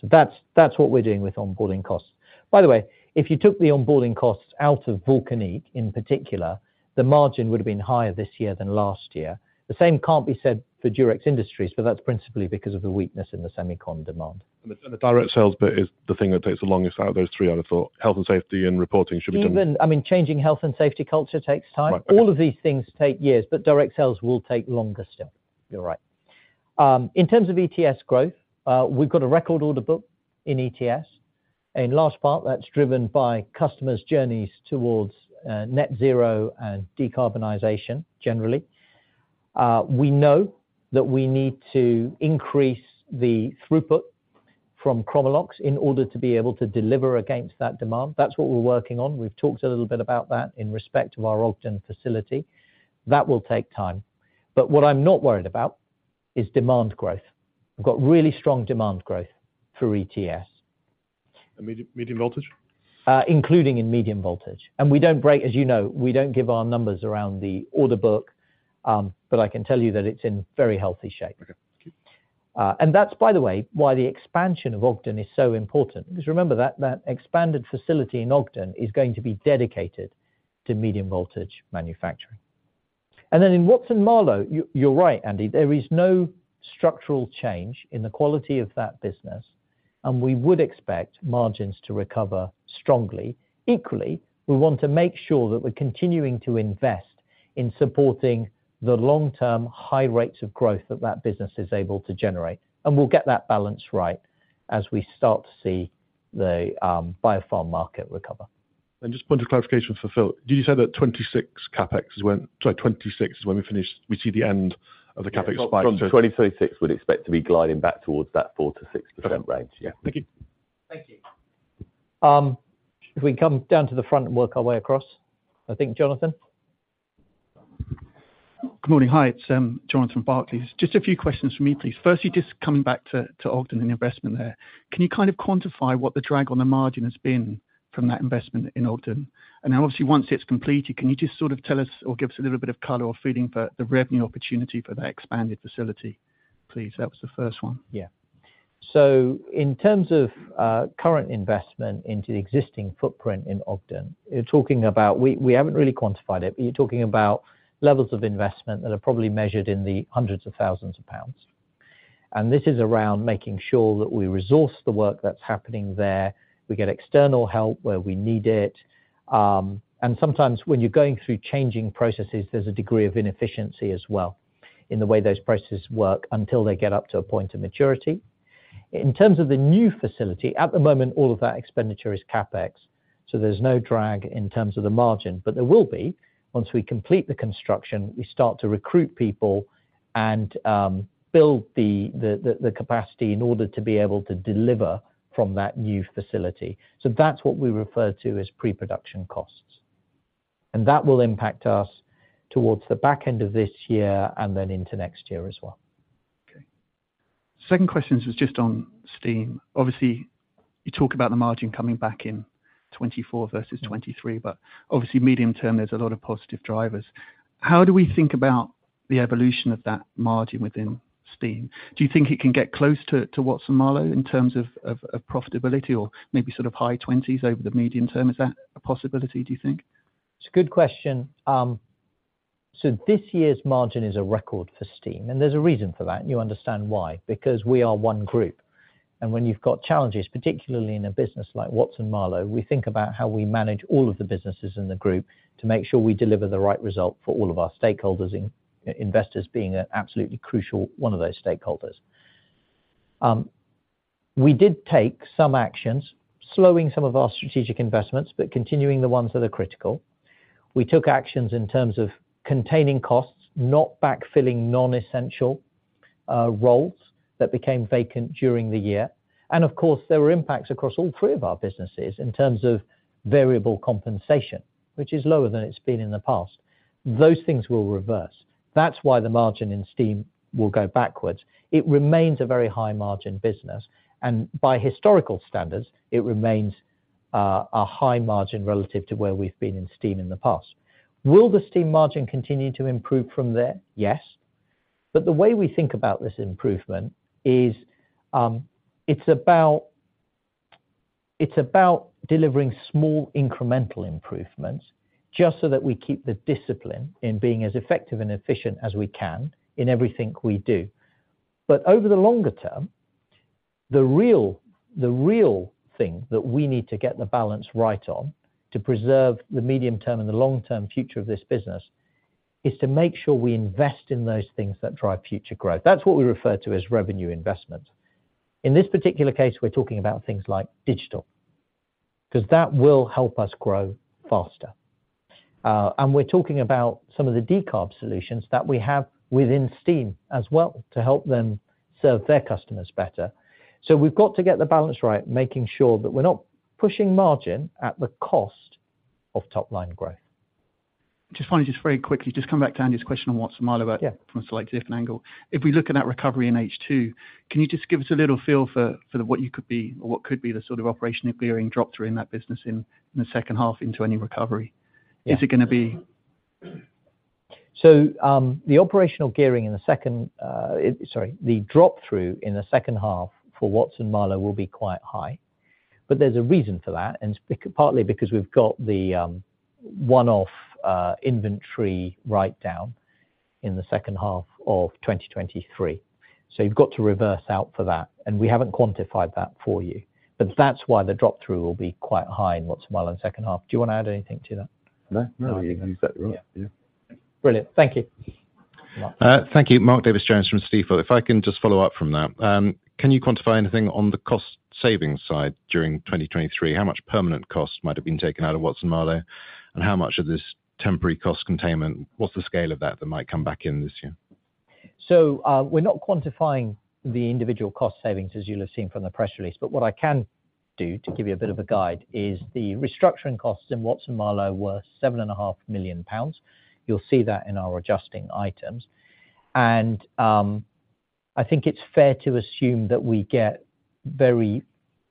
So that's, that's what we're doing with onboarding costs. By the way, if you took the onboarding costs out of Vulcanic, in particular, the margin would have been higher this year than last year. The same can't be said for Durex Industries, but that's principally because of the weakness in the Semicon demand. The direct sales bit is the thing that takes the longest out of those three, I would thought. Health and safety and reporting should be done- I mean, changing health and safety culture takes time. Right, okay. All of these things take years, but direct sales will take longer still. You're right. In terms of ETS growth, we've got a record order book in ETS. In large part, that's driven by customers' journeys towards Net Zero and decarbonization, generally. We know that we need to increase the throughput from Chromalox in order to be able to deliver against that demand. That's what we're working on. We've talked a little bit about that in respect to our Ogden facility. That will take time. But what I'm not worried about is demand growth. We've got really strong demand growth for ETS. Medium, medium voltage? Including in medium voltage. We don't break, as you know. We don't give our numbers around the order book, but I can tell you that it's in very healthy shape. Okay. Thank you. And that's, by the way, why the expansion of Ogden is so important, because remember that expanded facility in Ogden is going to be dedicated to medium voltage manufacturing. And then in Watson-Marlow, you're right, Andrew, there is no structural change in the quality of that business, and we would expect margins to recover strongly. Equally, we want to make sure that we're continuing to invest in supporting the long-term high rates of growth that business is able to generate, and we'll get that balance right as we start to see the biopharm market recover. Just point of clarification for Phil, did you say that '2026 CapEx is when - sorry, 2026 is when we finish, we see the end of the CapEx spike? From 2026, we'd expect to be gliding back towards that 4%-6% range. Okay. Yeah. Thank you. Thank you. If we come down to the front and work our way across, I think, Jonathan? Good morning. Hi, it's Jonathan from Barclays. Just a few questions from me, please. Firstly, just coming back to Ogden and the investment there. Can you kind of quantify what the drag on the margin has been from that investment in Ogden? And then obviously, once it's completed, can you just sort of tell us or give us a little bit of color or feeling for the revenue opportunity for that expanded facility, please? That was the first one. Yeah. So in terms of current investment into the existing footprint in Ogden, you're talking about—we haven't really quantified it, but you're talking about levels of investment that are probably measured in the 100,000 pounds. This is around making sure that we resource the work that's happening there, we get external help where we need it, and sometimes when you're going through changing processes, there's a degree of inefficiency as well in the way those processes work until they get up to a point of maturity. In terms of the new facility, at the moment, all of that expenditure is CapEx, so there's no drag in terms of the margin, but there will be once we complete the construction, we start to recruit people and build the capacity in order to be able to deliver from that new facility. So that's what we refer to as pre-production costs, and that will impact us towards the back end of this year and then into next year as well. Okay. Second question is just on steam. Obviously, you talk about the margin coming back in 2024 versus 2023, but obviously, medium term, there's a lot of positive drivers. How do we think about the evolution of that margin within steam? Do you think it can get close to, to Watson-Marlow in terms of, of, of profitability or maybe sort of high 20s over the medium term? Is that a possibility, do you think? It's a good question. So this year's margin is a record for steam, and there's a reason for that, and you understand why? Because we are one group, and when you've got challenges, particularly in a business like Watson-Marlow, we think about how we manage all of the businesses in the group to make sure we deliver the right result for all of our stakeholders, and investors being an absolutely crucial one of those stakeholders. We did take some actions, slowing some of our strategic investments, but continuing the ones that are critical. We took actions in terms of containing costs, not backfilling non-essential roles that became vacant during the year. And of course, there were impacts across all three of our businesses in terms of variable compensation, which is lower than it's been in the past. Those things will reverse. That's why the margin in steam will go backwards. It remains a very high margin business, and by historical standards, it remains a high margin relative to where we've been in steam in the past. Will the steam margin continue to improve from there? Yes. But the way we think about this improvement is, it's about, it's about delivering small incremental improvements, just so that we keep the discipline in being as effective and efficient as we can in everything we do. But over the longer term, the real, the real thing that we need to get the balance right on, to preserve the medium-term and the long-term future of this business, is to make sure we invest in those things that drive future growth. That's what we refer to as revenue investment. In this particular case, we're talking about things like digital, 'cause that will help us grow faster. And we're talking about some of the decarb solutions that we have within steam as well, to help them serve their customers better. So we've got to get the balance right, making sure that we're not pushing margin at the cost of top-line growth. Just finally, just very quickly, just come back to Andrew's question on Watson-Marlow. Yeah. From a slightly different angle. If we look at that recovery in H2, can you just give us a little feel for what you could be or what could be the sort of operational gearing drop through in that business in the second half into any recovery? Yeah. Is it gonna be... So, the drop-through in the second half for Watson-Marlow will be quite high, but there's a reason for that, and it's partly because we've got the one-off inventory write down in the second half of 2023. So you've got to reverse out for that, and we haven't quantified that for you. But that's why the drop-through will be quite high in Watson-Marlow in the second half. Do you wanna add anything to that? No, no, you got it right. Yeah. Yeah. Brilliant. Thank you. Thank you. Mark Davies Jones from Stifel. If I can just follow up from that. Can you quantify anything on the cost savings side during 2023? How much permanent costs might have been taken out of Watson-Marlow, and how much of this temporary cost containment? What's the scale of that, that might come back in this year? So, we're not quantifying the individual cost savings, as you'll have seen from the press release. But what I can do, to give you a bit of a guide, is the restructuring costs in Watson-Marlow were 7.5 million pounds. You'll see that in our adjusting items. And, I think it's fair to assume that we get very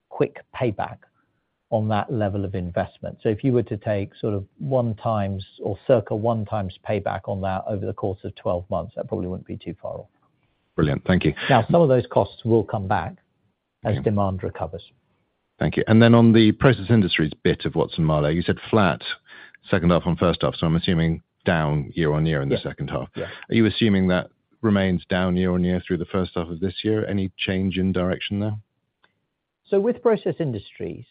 quick payback on that level of investment. So if you were to take sort of 1x or circa 1x payback on that over the course of 12 months, that probably wouldn't be too far off. Brilliant, thank you. Now, some of those costs will come back- Okay... as demand recovers. Thank you. And then on the process industries bit of Watson-Marlow, you said flat, second half on first half, so I'm assuming down year-on-year- Yeah... in the second half? Yeah. Are you assuming that remains down year on year through the first half of this year? Any change in direction there? So with process industries,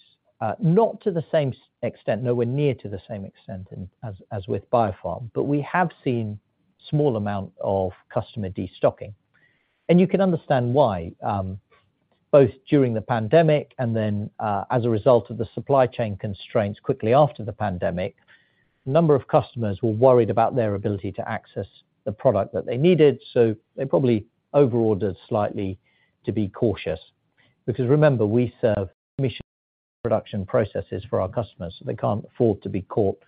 not to the same extent, nowhere near to the same extent as with Biopharm, but we have seen small amount of customer destocking. And you can understand why, both during the pandemic and then, as a result of the supply chain constraints quickly after the pandemic, a number of customers were worried about their ability to access the product that they needed, so they probably over ordered slightly to be cautious. Because remember, we serve mission production processes for our customers, so they can't afford to be caught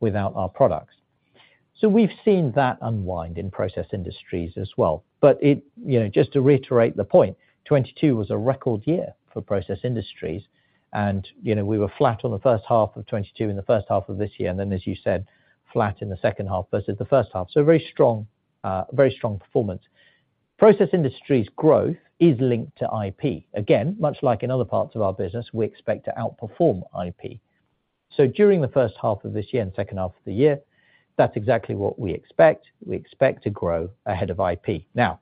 without our products. So we've seen that unwind in process industries as well. But it you know, just to reiterate the point, 2022 was a record year for process industries. You know, we were flat on the first half of 2022 and the first half of this year, and then, as you said, flat in the second half versus the first half. So very strong, very strong performance. Process industries growth is linked to IP. Again, much like in other parts of our business, we expect to outperform IP. So during the first half of this year and second half of the year, that's exactly what we expect. We expect to grow ahead of IP. Now,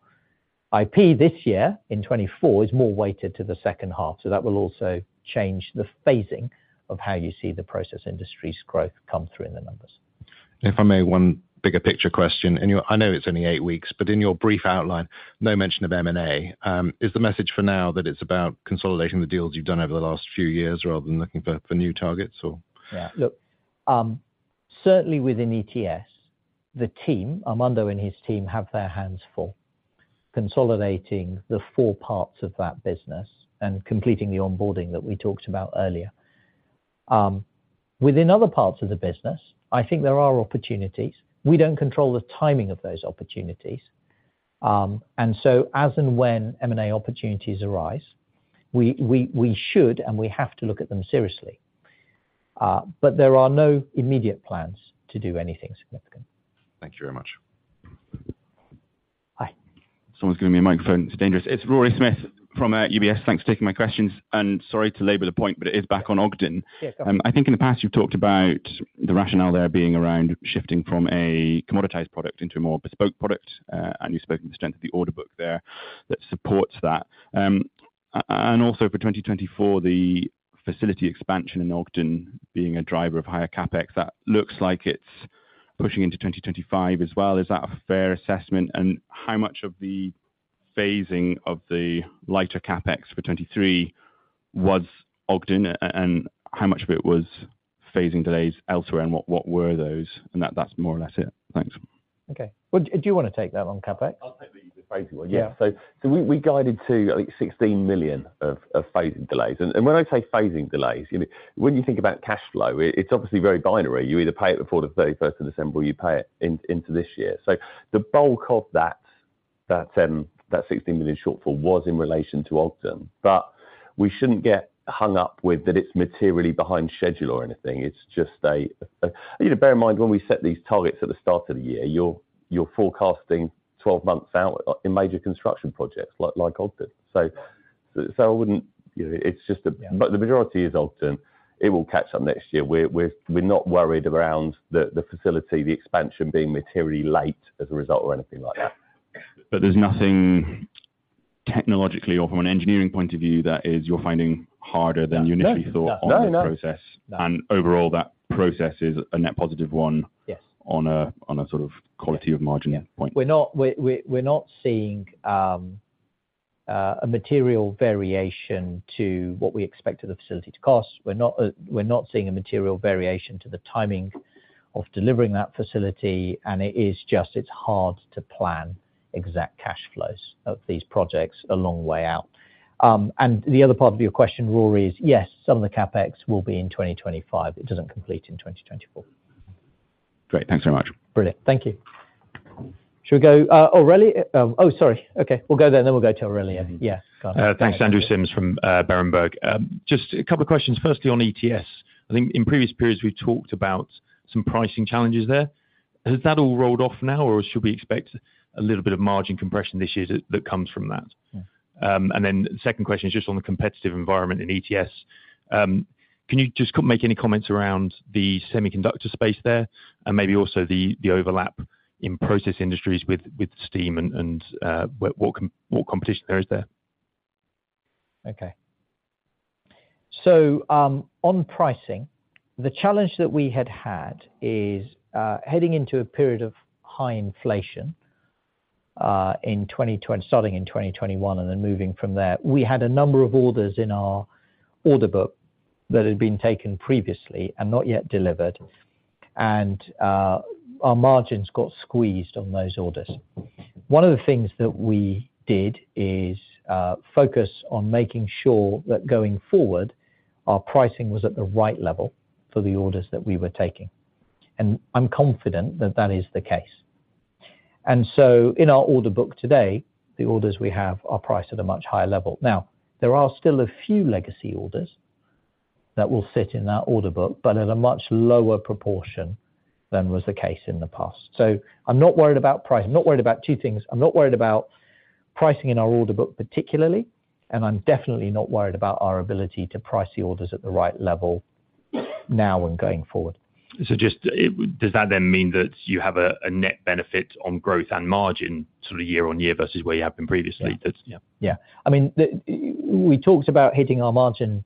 IP this year, in 2024, is more weighted to the second half, so that will also change the phasing of how you see the process industries growth come through in the numbers. If I may, one bigger picture question. In your—I know it's only eight weeks, but in your brief outline, no mention of M&A. Is the message for now that it's about consolidating the deals you've done over the last few years, rather than looking for, for new targets or- Yeah. Look, certainly within ETS, the team, Armando and his team, have their hands full consolidating the four parts of that business and completing the onboarding that we talked about earlier. Within other parts of the business, I think there are opportunities. We don't control the timing of those opportunities. And so as and when M&A opportunities arise, we should, and we have to look at them seriously. But there are no immediate plans to do anything significant. Thank you very much.... Hi. Someone's giving me a microphone, it's dangerous. It's Rory Smith from UBS. Thanks for taking my questions, and sorry to labor the point, but it is back on Ogden. Yes, go on. I think in the past, you've talked about the rationale there being around shifting from a commoditized product into a more bespoke product. And you've spoken to the strength of the order book there, that supports that. And also for 2024, the facility expansion in Ogden, being a driver of higher CapEx, that looks like it's pushing into 2025 as well. Is that a fair assessment? And how much of the phasing of the lighter CapEx for 2023 was Ogden, and how much of it was phasing delays elsewhere, and what were those? And that's more or less it. Thanks. Okay. Well, do you wanna take that one on CapEx? I'll take the phasing one. Yeah. So we guided to, I think, 16 million of phasing delays. And when I say phasing delays, you know, when you think about cashflow, it's obviously very binary. You either pay it before the thirty-first of December, or you pay it into this year. So the bulk of that 16 million shortfall was in relation to Ogden. But we shouldn't get hung up with that it's materially behind schedule or anything. It's just a... You know, bear in mind, when we set these targets at the start of the year, you're forecasting 12 months out in major construction projects, like Ogden. So I wouldn't, you know, it's just a- Yeah. But the majority is Ogden. It will catch up next year. We're not worried around the facility, the expansion being materially late as a result or anything like that. Yeah. But there's nothing technologically or from an engineering point of view, that is, you're finding harder than you initially thought- No. No, no... on this process? No. Overall, that process is a net positive one- Yes... on a sort of quality- Yeah... of margin point? Yeah. We're not seeing a material variation to what we expect to the facility to cost. We're not seeing a material variation to the timing of delivering that facility, and it is just, it's hard to plan exact cash flows of these projects, a long way out. And the other part of your question, Rory, is, yes, some of the CapEx will be in 2025. It doesn't complete in 2024. Great. Thanks so much. Brilliant. Thank you. Should we go, Aurelio? Sorry. Okay, we'll go there, and then we'll go to Aurelio, yeah. Got it. Thanks, Andrew Simms from Berenberg. Just a couple of questions. Firstly, on ETS. I think in previous periods, we've talked about some pricing challenges there. Has that all rolled off now, or should we expect a little bit of margin compression this year, that comes from that? Mm. And then the second question is just on the competitive environment in ETS. Can you just make any comments around the semiconductor space there, and maybe also the overlap in process industries with steam and what competition there is there? Okay. So, on pricing, the challenge that we had had is heading into a period of high inflation starting in 2021, and then moving from there. We had a number of orders in our order book that had been taken previously and not yet delivered, and our margins got squeezed on those orders. One of the things that we did is focus on making sure that going forward, our pricing was at the right level for the orders that we were taking, and I'm confident that that is the case. And so in our order book today, the orders we have are priced at a much higher level. Now, there are still a few legacy orders that will sit in that order book, but at a much lower proportion than was the case in the past. I'm not worried about price. I'm not worried about two things. I'm not worried about pricing in our order book, particularly, and I'm definitely not worried about our ability to price the orders at the right level now, and going forward. So just, does that then mean that you have a net benefit on growth and margin, sort of year-over-year, versus where you have been previously? Yeah. That's, yeah. Yeah. I mean, we talked about hitting our margin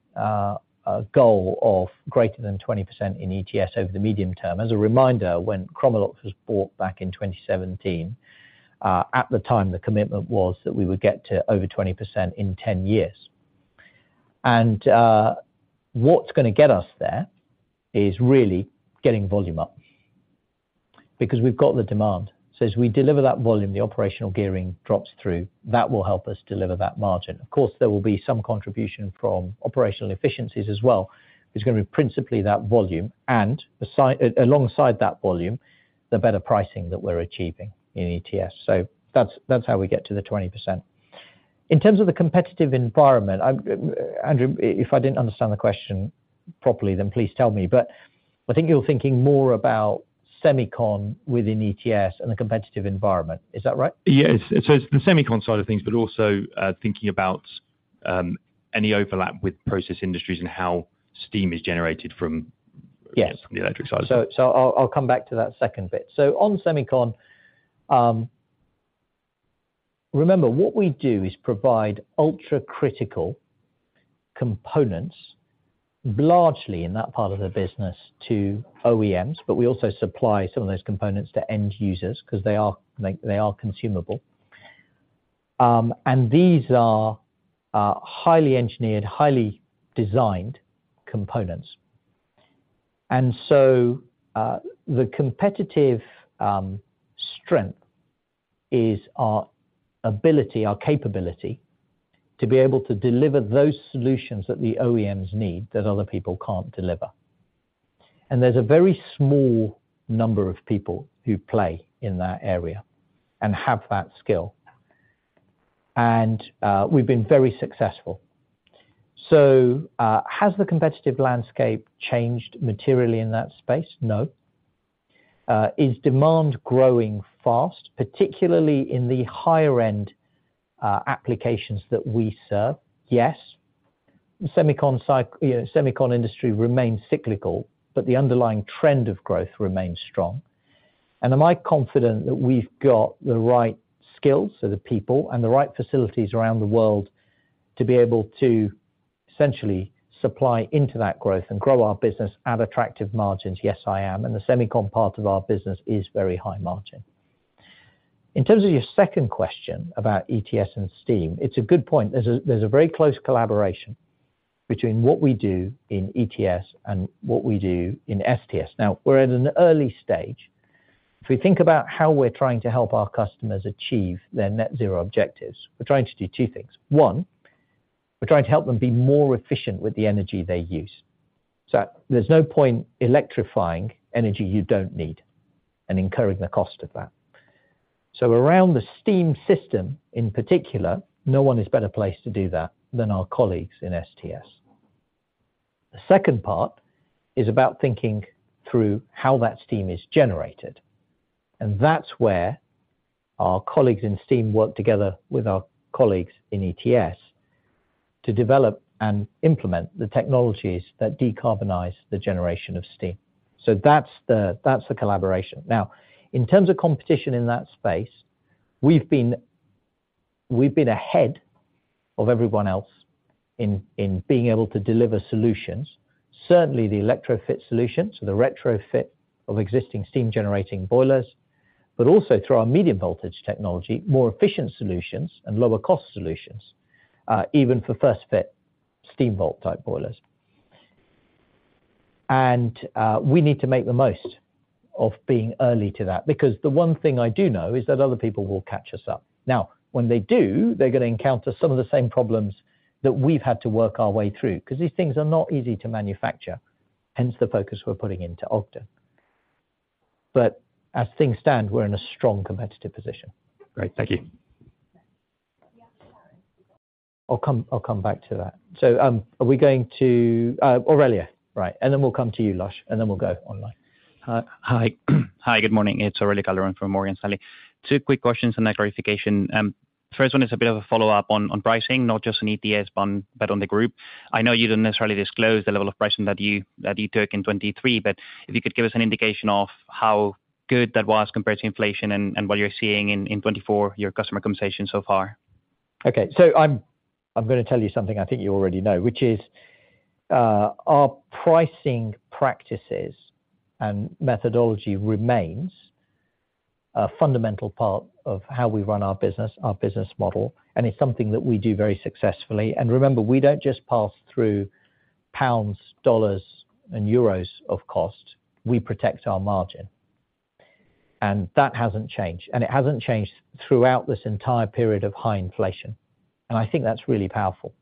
goal of greater than 20% in ETS over the medium term. As a reminder, when Chromalox was bought back in 2017, at the time, the commitment was that we would get to over 20% in 10 years. What's gonna get us there is really getting volume up, because we've got the demand. So as we deliver that volume, the operational gearing drops through. That will help us deliver that margin. Of course, there will be some contribution from operational efficiencies as well. It's gonna be principally that volume, and alongside that volume, the better pricing that we're achieving in ETS. So that's how we get to the 20%. In terms of the competitive environment, Andrew, if I didn't understand the question properly, then please tell me, but I think you're thinking more about Semicon within ETS and the competitive environment. Is that right? Yes. So it's the Semicon side of things, but also, thinking about, any overlap with process industries, and how steam is generated from- Yes... the electric side. So, I'll come back to that second bit. So on Semicon, remember, what we do is provide ultra-critical components, largely in that part of the business, to OEMs, but we also supply some of those components to end users, 'cause they are consumable. And these are highly engineered, highly designed components. And so, the competitive strength is our ability, our capability, to be able to deliver those solutions that the OEMs need, that other people can't deliver. And there's a very small number of people who play in that area, and have that skill, and we've been very successful. So, has the competitive landscape changed materially in that space? No. Is demand growing fast, particularly in the higher-end applications that we serve? Yes. The Semicon, you know, Semicon industry remains cyclical, but the underlying trend of growth remains strong. Am I confident that we've got the right skills, so the people, and the right facilities around the world to be able to essentially supply into that growth and grow our business at attractive margins? Yes, I am, and the Semicon part of our business is very high margin. In terms of your second question about ETS and steam, it's a good point. There's a very close collaboration between what we do in ETS and what we do in STS. Now, we're at an early stage. If we think about how we're trying to help our customers achieve their Net Zero objectives, we're trying to do two things. One, we're trying to help them be more efficient with the energy they use, so there's no point electrifying energy you don't need and incurring the cost of that. So around the steam system, in particular, no one is better placed to do that than our colleagues in STS. The second part is about thinking through how that steam is generated, and that's where our colleagues in steam work together with our colleagues in ETS to develop and implement the technologies that decarbonize the generation of steam. So that's the collaboration. Now, in terms of competition in that space, we've been ahead of everyone else in being able to deliver solutions. Certainly the ElectroFit solutions, the retrofit of existing steam-generating boilers, but also through our medium-voltage technology, more efficient solutions and lower-cost solutions, even for first-fit steam valve-type boilers. And we need to make the most of being early to that, because the one thing I do know is that other people will catch us up. Now, when they do, they're gonna encounter some of the same problems that we've had to work our way through, 'cause these things are not easy to manufacture, hence the focus we're putting into Ogden. But as things stand, we're in a strong, competitive position. Great, thank you. I'll come, I'll come back to that. So, are we going to... Aurelio, right, and then we'll come to you, Lush, and then we'll go online. Hi. Hi. Hi, good morning. It's Aurelio Calderon from Morgan Stanley. Two quick questions and a clarification. First one is a bit of a follow-up on, on pricing, not just on ETS, but on the group. I know you didn't necessarily disclose the level of pricing that you, that you took in 2023, but if you could give us an indication of how good that was compared to inflation and, and what you're seeing in, in 2024, your customer conversation so far. Okay, so I'm, I'm gonna tell you something I think you already know, which is, our pricing practices and methodology remains a fundamental part of how we run our business, our business model, and it's something that we do very successfully. And remember, we don't just pass through pounds, dollars, and euros of cost. We protect our margin, and that hasn't changed, and it hasn't changed throughout this entire period of high inflation, and I think that's really powerful.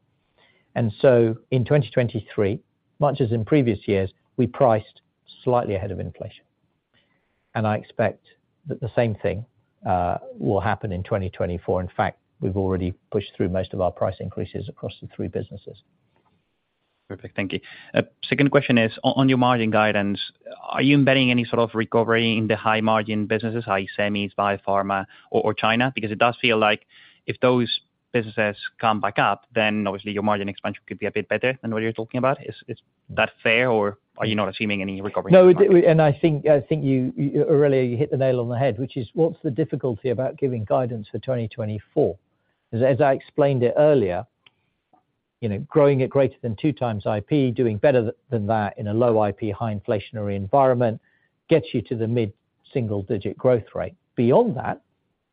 And so in 2023, much as in previous years, we priced slightly ahead of inflation, and I expect that the same thing, will happen in 2024. In fact, we've already pushed through most of our price increases across the three businesses. Perfect. Thank you. Second question is on your margin guidance, are you embedding any sort of recovery in the high-margin businesses, high semis, biopharma or China? Because it does feel like if those businesses come back up, then obviously your margin expansion could be a bit better than what you're talking about. Is that fair, or are you not assuming any recovery? No, and I think you, you, Aurelio, you hit the nail on the head, which is what's the difficulty about giving guidance for 2024? As I explained it earlier, you know, growing at greater than 2x IP, doing better than that in a low IP, high inflationary environment gets you to the mid-single-digit growth rate. Beyond that,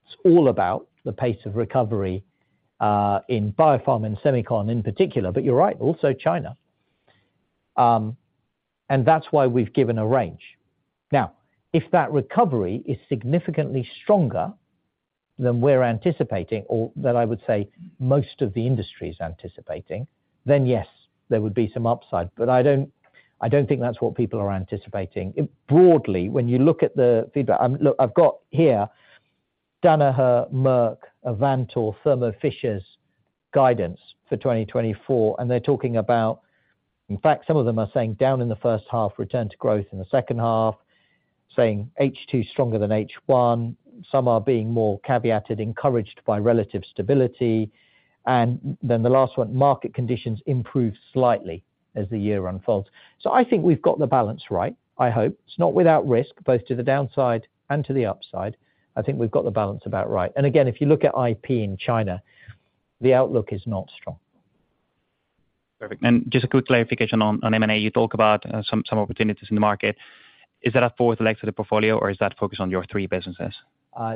it's all about the pace of recovery in Biopharm and Semicon in particular, but you're right, also China. And that's why we've given a range. Now, if that recovery is significantly stronger than we're anticipating, or than I would say most of the industry is anticipating, then yes, there would be some upside. But I don't think that's what people are anticipating. Broadly, when you look at the feedback... Look, I've got here Danaher, Merck, Avantor, Thermo Fisher's guidance for 2024, and they're talking about... In fact, some of them are saying down in the first half, return to growth in the second half, saying H2 stronger than H1. Some are being more caveated, encouraged by relative stability. And then the last one, market conditions improve slightly as the year unfolds. So I think we've got the balance right, I hope. It's not without risk, both to the downside and to the upside. I think we've got the balance about right. And again, if you look at IP in China, the outlook is not strong. Perfect, and just a quick clarification on M&A. You talk about some opportunities in the market. Is that a fourth leg to the portfolio, or is that focused on your three businesses?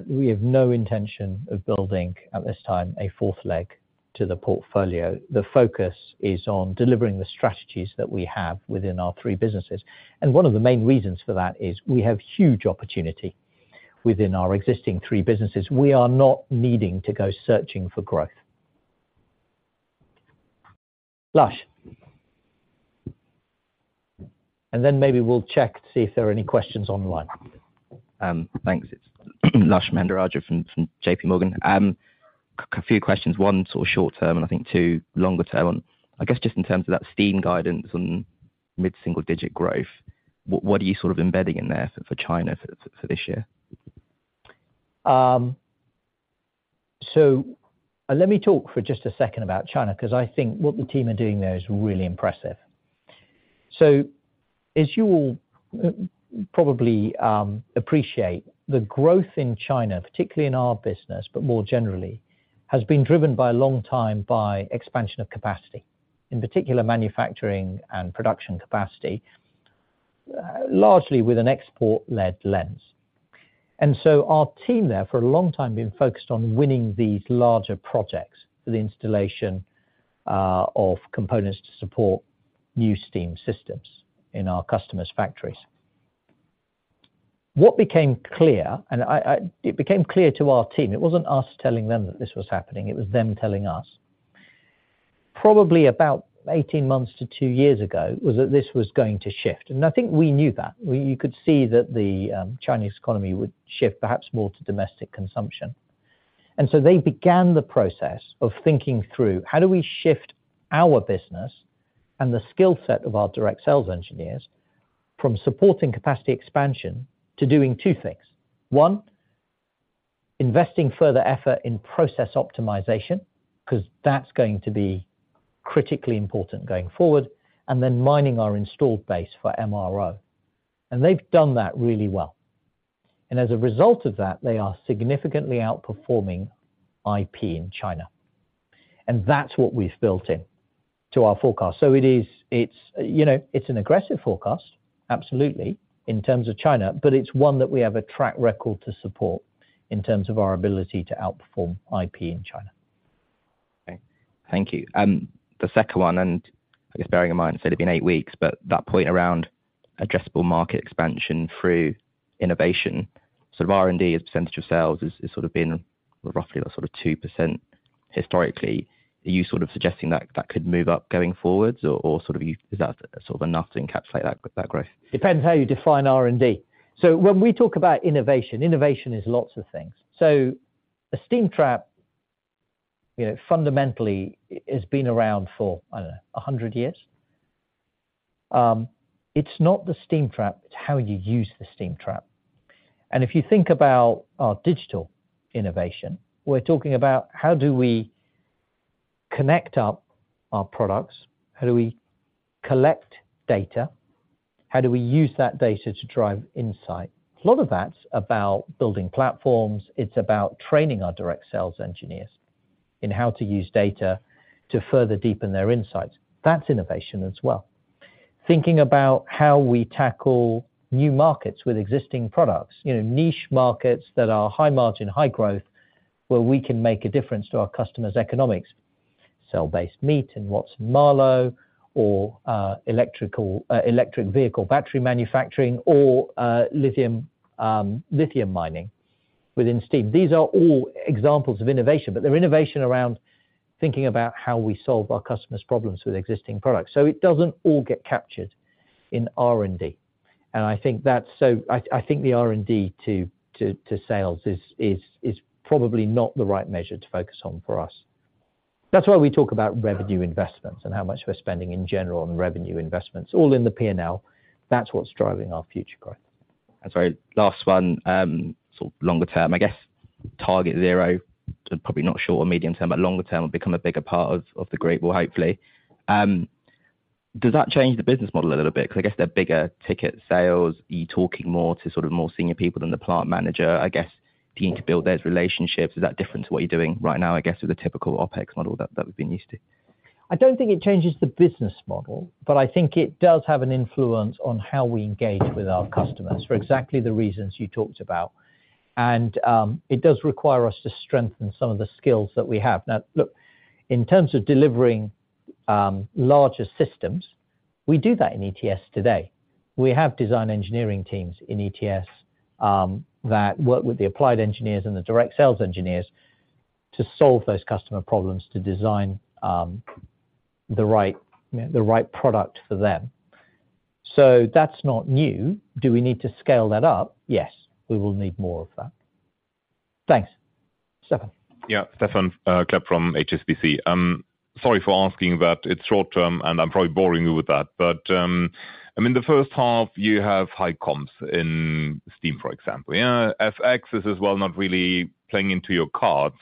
We have no intention of building, at this time, a fourth leg to the portfolio. The focus is on delivering the strategies that we have within our three businesses, and one of the main reasons for that is we have huge opportunity within our existing three businesses. We are not needing to go searching for growth. Lush?... And then maybe we'll check to see if there are any questions online. Thanks. It's Lush Mahendrarajah from JPMorgan. A few questions. One sort of short term, and I think two longer term. I guess, just in terms of that steam guidance and mid-single digit growth, what are you sort of embedding in there for China for this year? So let me talk for just a second about China, 'cause I think what the team are doing there is really impressive. So as you all probably appreciate, the growth in China, particularly in our business, but more generally, has been driven by a long time by expansion of capacity, in particular, manufacturing and production capacity, largely with an export-led lens. And so our team there, for a long time, have been focused on winning these larger projects for the installation of components to support new steam systems in our customers' factories. What became clear to our team, it wasn't us telling them that this was happening, it was them telling us, probably about 18 months to two years ago, was that this was going to shift, and I think we knew that. You could see that the Chinese economy would shift, perhaps more to domestic consumption. And so they began the process of thinking through, how do we shift our business and the skill set of our direct sales engineers from supporting capacity expansion to doing two things? One, investing further effort in process optimization, 'cause that's going to be critically important going forward, and then mining our installed base for MRO. And they've done that really well. And as a result of that, they are significantly outperforming IP in China, and that's what we've built in to our forecast. So it is. It's, you know, it's an aggressive forecast, absolutely, in terms of China, but it's one that we have a track record to support in terms of our ability to outperform IP in China. Okay. Thank you. The second one, and I guess bearing in mind you said it'd been eight weeks, but that point around addressable market expansion through innovation, so R&D as a percentage of sales has sort of been roughly about sort of 2% historically. Are you sort of suggesting that that could move up going forwards, or sort of you—is that sort of enough to encapsulate that growth? Depends how you define R&D. So when we talk about innovation, innovation is lots of things. So a steam trap, you know, fundamentally has been around for, I don't know, 100 years. It's not the steam trap, it's how you use the steam trap. And if you think about our digital innovation, we're talking about: How do we connect up our products? How do we collect data? How do we use that data to drive insight? A lot of that's about building platforms. It's about training our direct sales engineers in how to use data to further deepen their insights. That's innovation as well. Thinking about how we tackle new markets with existing products, you know, niche markets that are high margin, high growth, where we can make a difference to our customers' economics. Cell-based meat in Watson-Marlow, or, electrical... electric vehicle battery manufacturing, or, lithium, lithium mining within steam. These are all examples of innovation, but they're innovation around thinking about how we solve our customers' problems with existing products. So it doesn't all get captured in R&D, and I think that's. So I think the R&D to sales is probably not the right measure to focus on for us. That's why we talk about revenue investments and how much we're spending in general on revenue investments, all in the P&L. That's what's driving our future growth. And sorry, last one, so longer term, I guess, TargetZero, probably not short or medium term, but longer term, will become a bigger part of the group, well, hopefully. Does that change the business model a little bit? Because I guess they're bigger ticket sales. Are you talking more to sort of more senior people than the plant manager? I guess, beginning to build those relationships, is that different to what you're doing right now, I guess, with the typical OpEx model that we've been used to? I don't think it changes the business model, but I think it does have an influence on how we engage with our customers for exactly the reasons you talked about. It does require us to strengthen some of the skills that we have. Now, look, in terms of delivering larger systems, we do that in ETS today. We have design engineering teams in ETS that work with the applied engineers and the direct sales engineers to solve those customer problems, to design the right, you know, the right product for them. So that's not new. Do we need to scale that up? Yes, we will need more of that. Thanks. Stephan? Yeah, Stephan Klepp from HSBC. Sorry for asking, but it's short term, and I'm probably boring you with that, but I mean, the first half, you have high comps in steam, for example. Yeah, FX is as well, not really playing into your cards,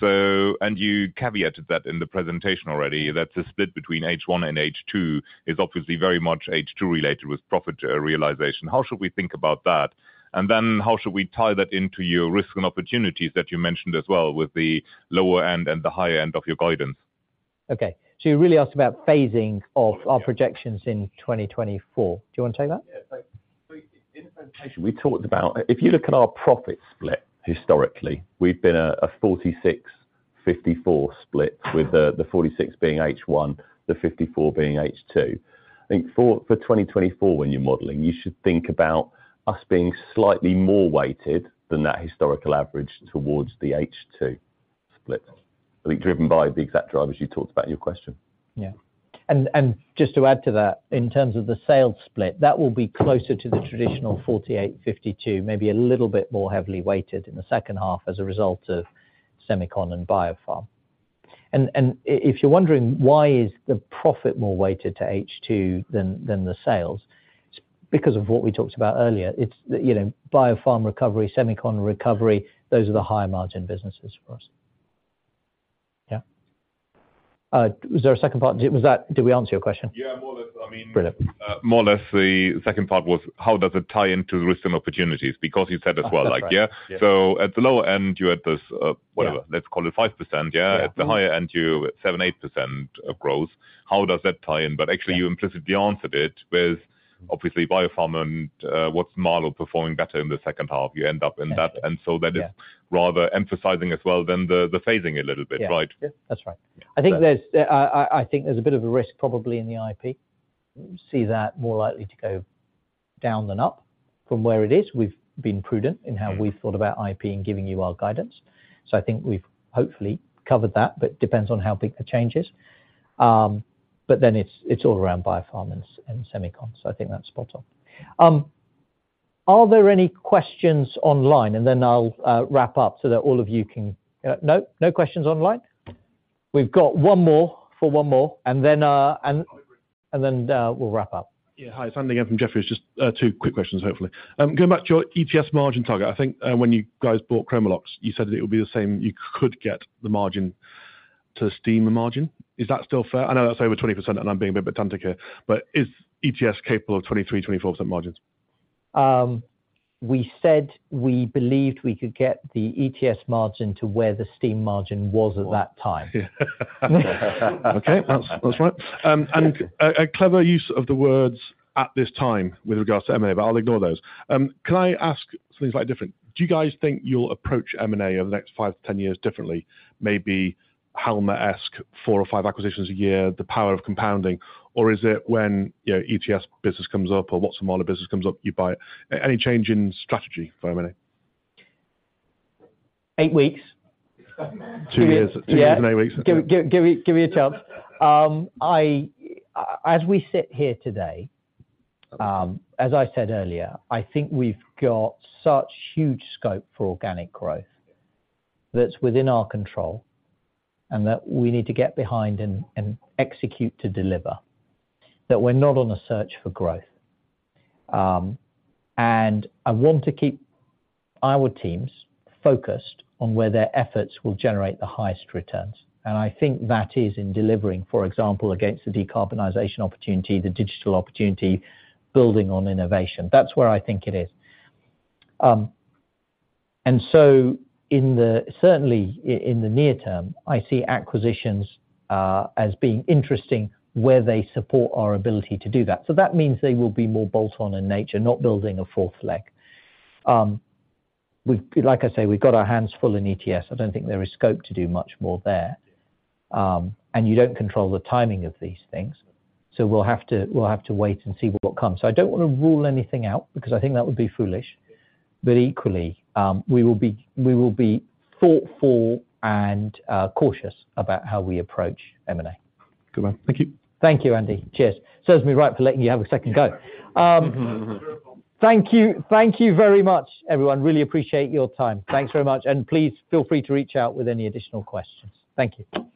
so—and you caveated that in the presentation already. That's the split between H1 and H2, is obviously very much H2-related with profit realization. How should we think about that? And then how should we tie that into your risk and opportunities that you mentioned as well with the lower end and the higher end of your guidance? Okay, so you're really asking about phasing- Yeah - of our projections in 2024. Do you want to take that? Yeah, so in the presentation, we talked about... If you look at our profit split historically, we've been a 46-54 split, with the forty-six being H1, the fifty-four being H2. I think for 2024, when you're modeling, you should think about us being slightly more weighted than that historical average towards the H2 split, I think driven by the exact drivers you talked about in your question. Yeah. And just to add to that, in terms of the sales split, that will be closer to the traditional 48-52, maybe a little bit more heavily weighted in the second half as a result of Semicon and Biopharm. And if you're wondering why is the profit more weighted to H2 than the sales, it's because of what we talked about earlier. It's, you know, Biopharm recovery, Semicon recovery, those are the higher margin businesses for us. Yeah. Was there a second part? Was that—did we answer your question? Yeah, more or less. I mean- Brilliant. More or less, the second part was: How does it tie into risk and opportunities? Because you said as well, like- Oh, that's right. Yeah. So at the lower end, you had this, whatever- Yeah... Let's call it 5%, yeah? Yeah. At the higher end, you're 7%-8% growth. How does that tie in? Yeah. But actually, you implicitly answered it with obviously Biopharm and Watson-Marlow performing better in the second half, you end up in that. Yeah. And so that is rather emphasizing as well then the phasing a little bit, right? Yeah. Yeah, that's right. Yeah. I think there's a bit of a risk probably in the IP. We see that more likely to go down than up from where it is. We've been prudent in how- Mm-hmm... we've thought about IP and giving you our guidance. So I think we've hopefully covered that, but depends on how big the change is. But then it's all around Biopharm and Semicon, so I think that's spot on. Are there any questions online? And then I'll wrap up so that all of you can... No, no questions online? We've got one more, for one more, and then, and- All right. Then, we'll wrap up. Yeah. Hi, it's Andrew again from Jefferies. Just, two quick questions, hopefully. Going back to your ETS margin target, I think, when you guys bought Chromalox, you said that it would be the same, you could get the margin to Steam's margin. Is that still fair? I know that's over 20%, and I'm being a bit pedantic here, but is ETS capable of 23%-24% margins? We said we believed we could get the ETS margin to where the steam margin was at that time. Yeah. Okay, that's right. And a clever use of the words, at this time, with regards to M&A, but I'll ignore those. Can I ask something slightly different? Do you guys think you'll approach M&A over the next five to 10 years differently, maybe Danaher-esque, four or five acquisitions a year, the power of compounding? Or is it when, you know, ETS business comes up or Watson-Marlow business comes up, you buy it. Any change in strategy for a minute? Eight weeks. Two years. Yeah. Two years and eight weeks. Give me a chance. As we sit here today, as I said earlier, I think we've got such huge scope for organic growth that's within our control, and that we need to get behind and execute to deliver, that we're not on a search for growth. I want to keep our teams focused on where their efforts will generate the highest returns. I think that is in delivering, for example, against the decarbonization opportunity, the digital opportunity, building on innovation. That's where I think it is. So certainly in the near term, I see acquisitions as being interesting, where they support our ability to do that. So that means they will be more bolt-on in nature, not building a fourth leg. Like I say, we've got our hands full in ETS. I don't think there is scope to do much more there. And you don't control the timing of these things, so we'll have to wait and see what comes. So I don't want to rule anything out, because I think that would be foolish. But equally, we will be thoughtful and cautious about how we approach M&A. Good one. Thank you. Thank you, Andrew. Cheers. Serves me right for letting you have a second go. Thank you, thank you very much, everyone. Really appreciate your time. Thanks very much, and please feel free to reach out with any additional questions. Thank you.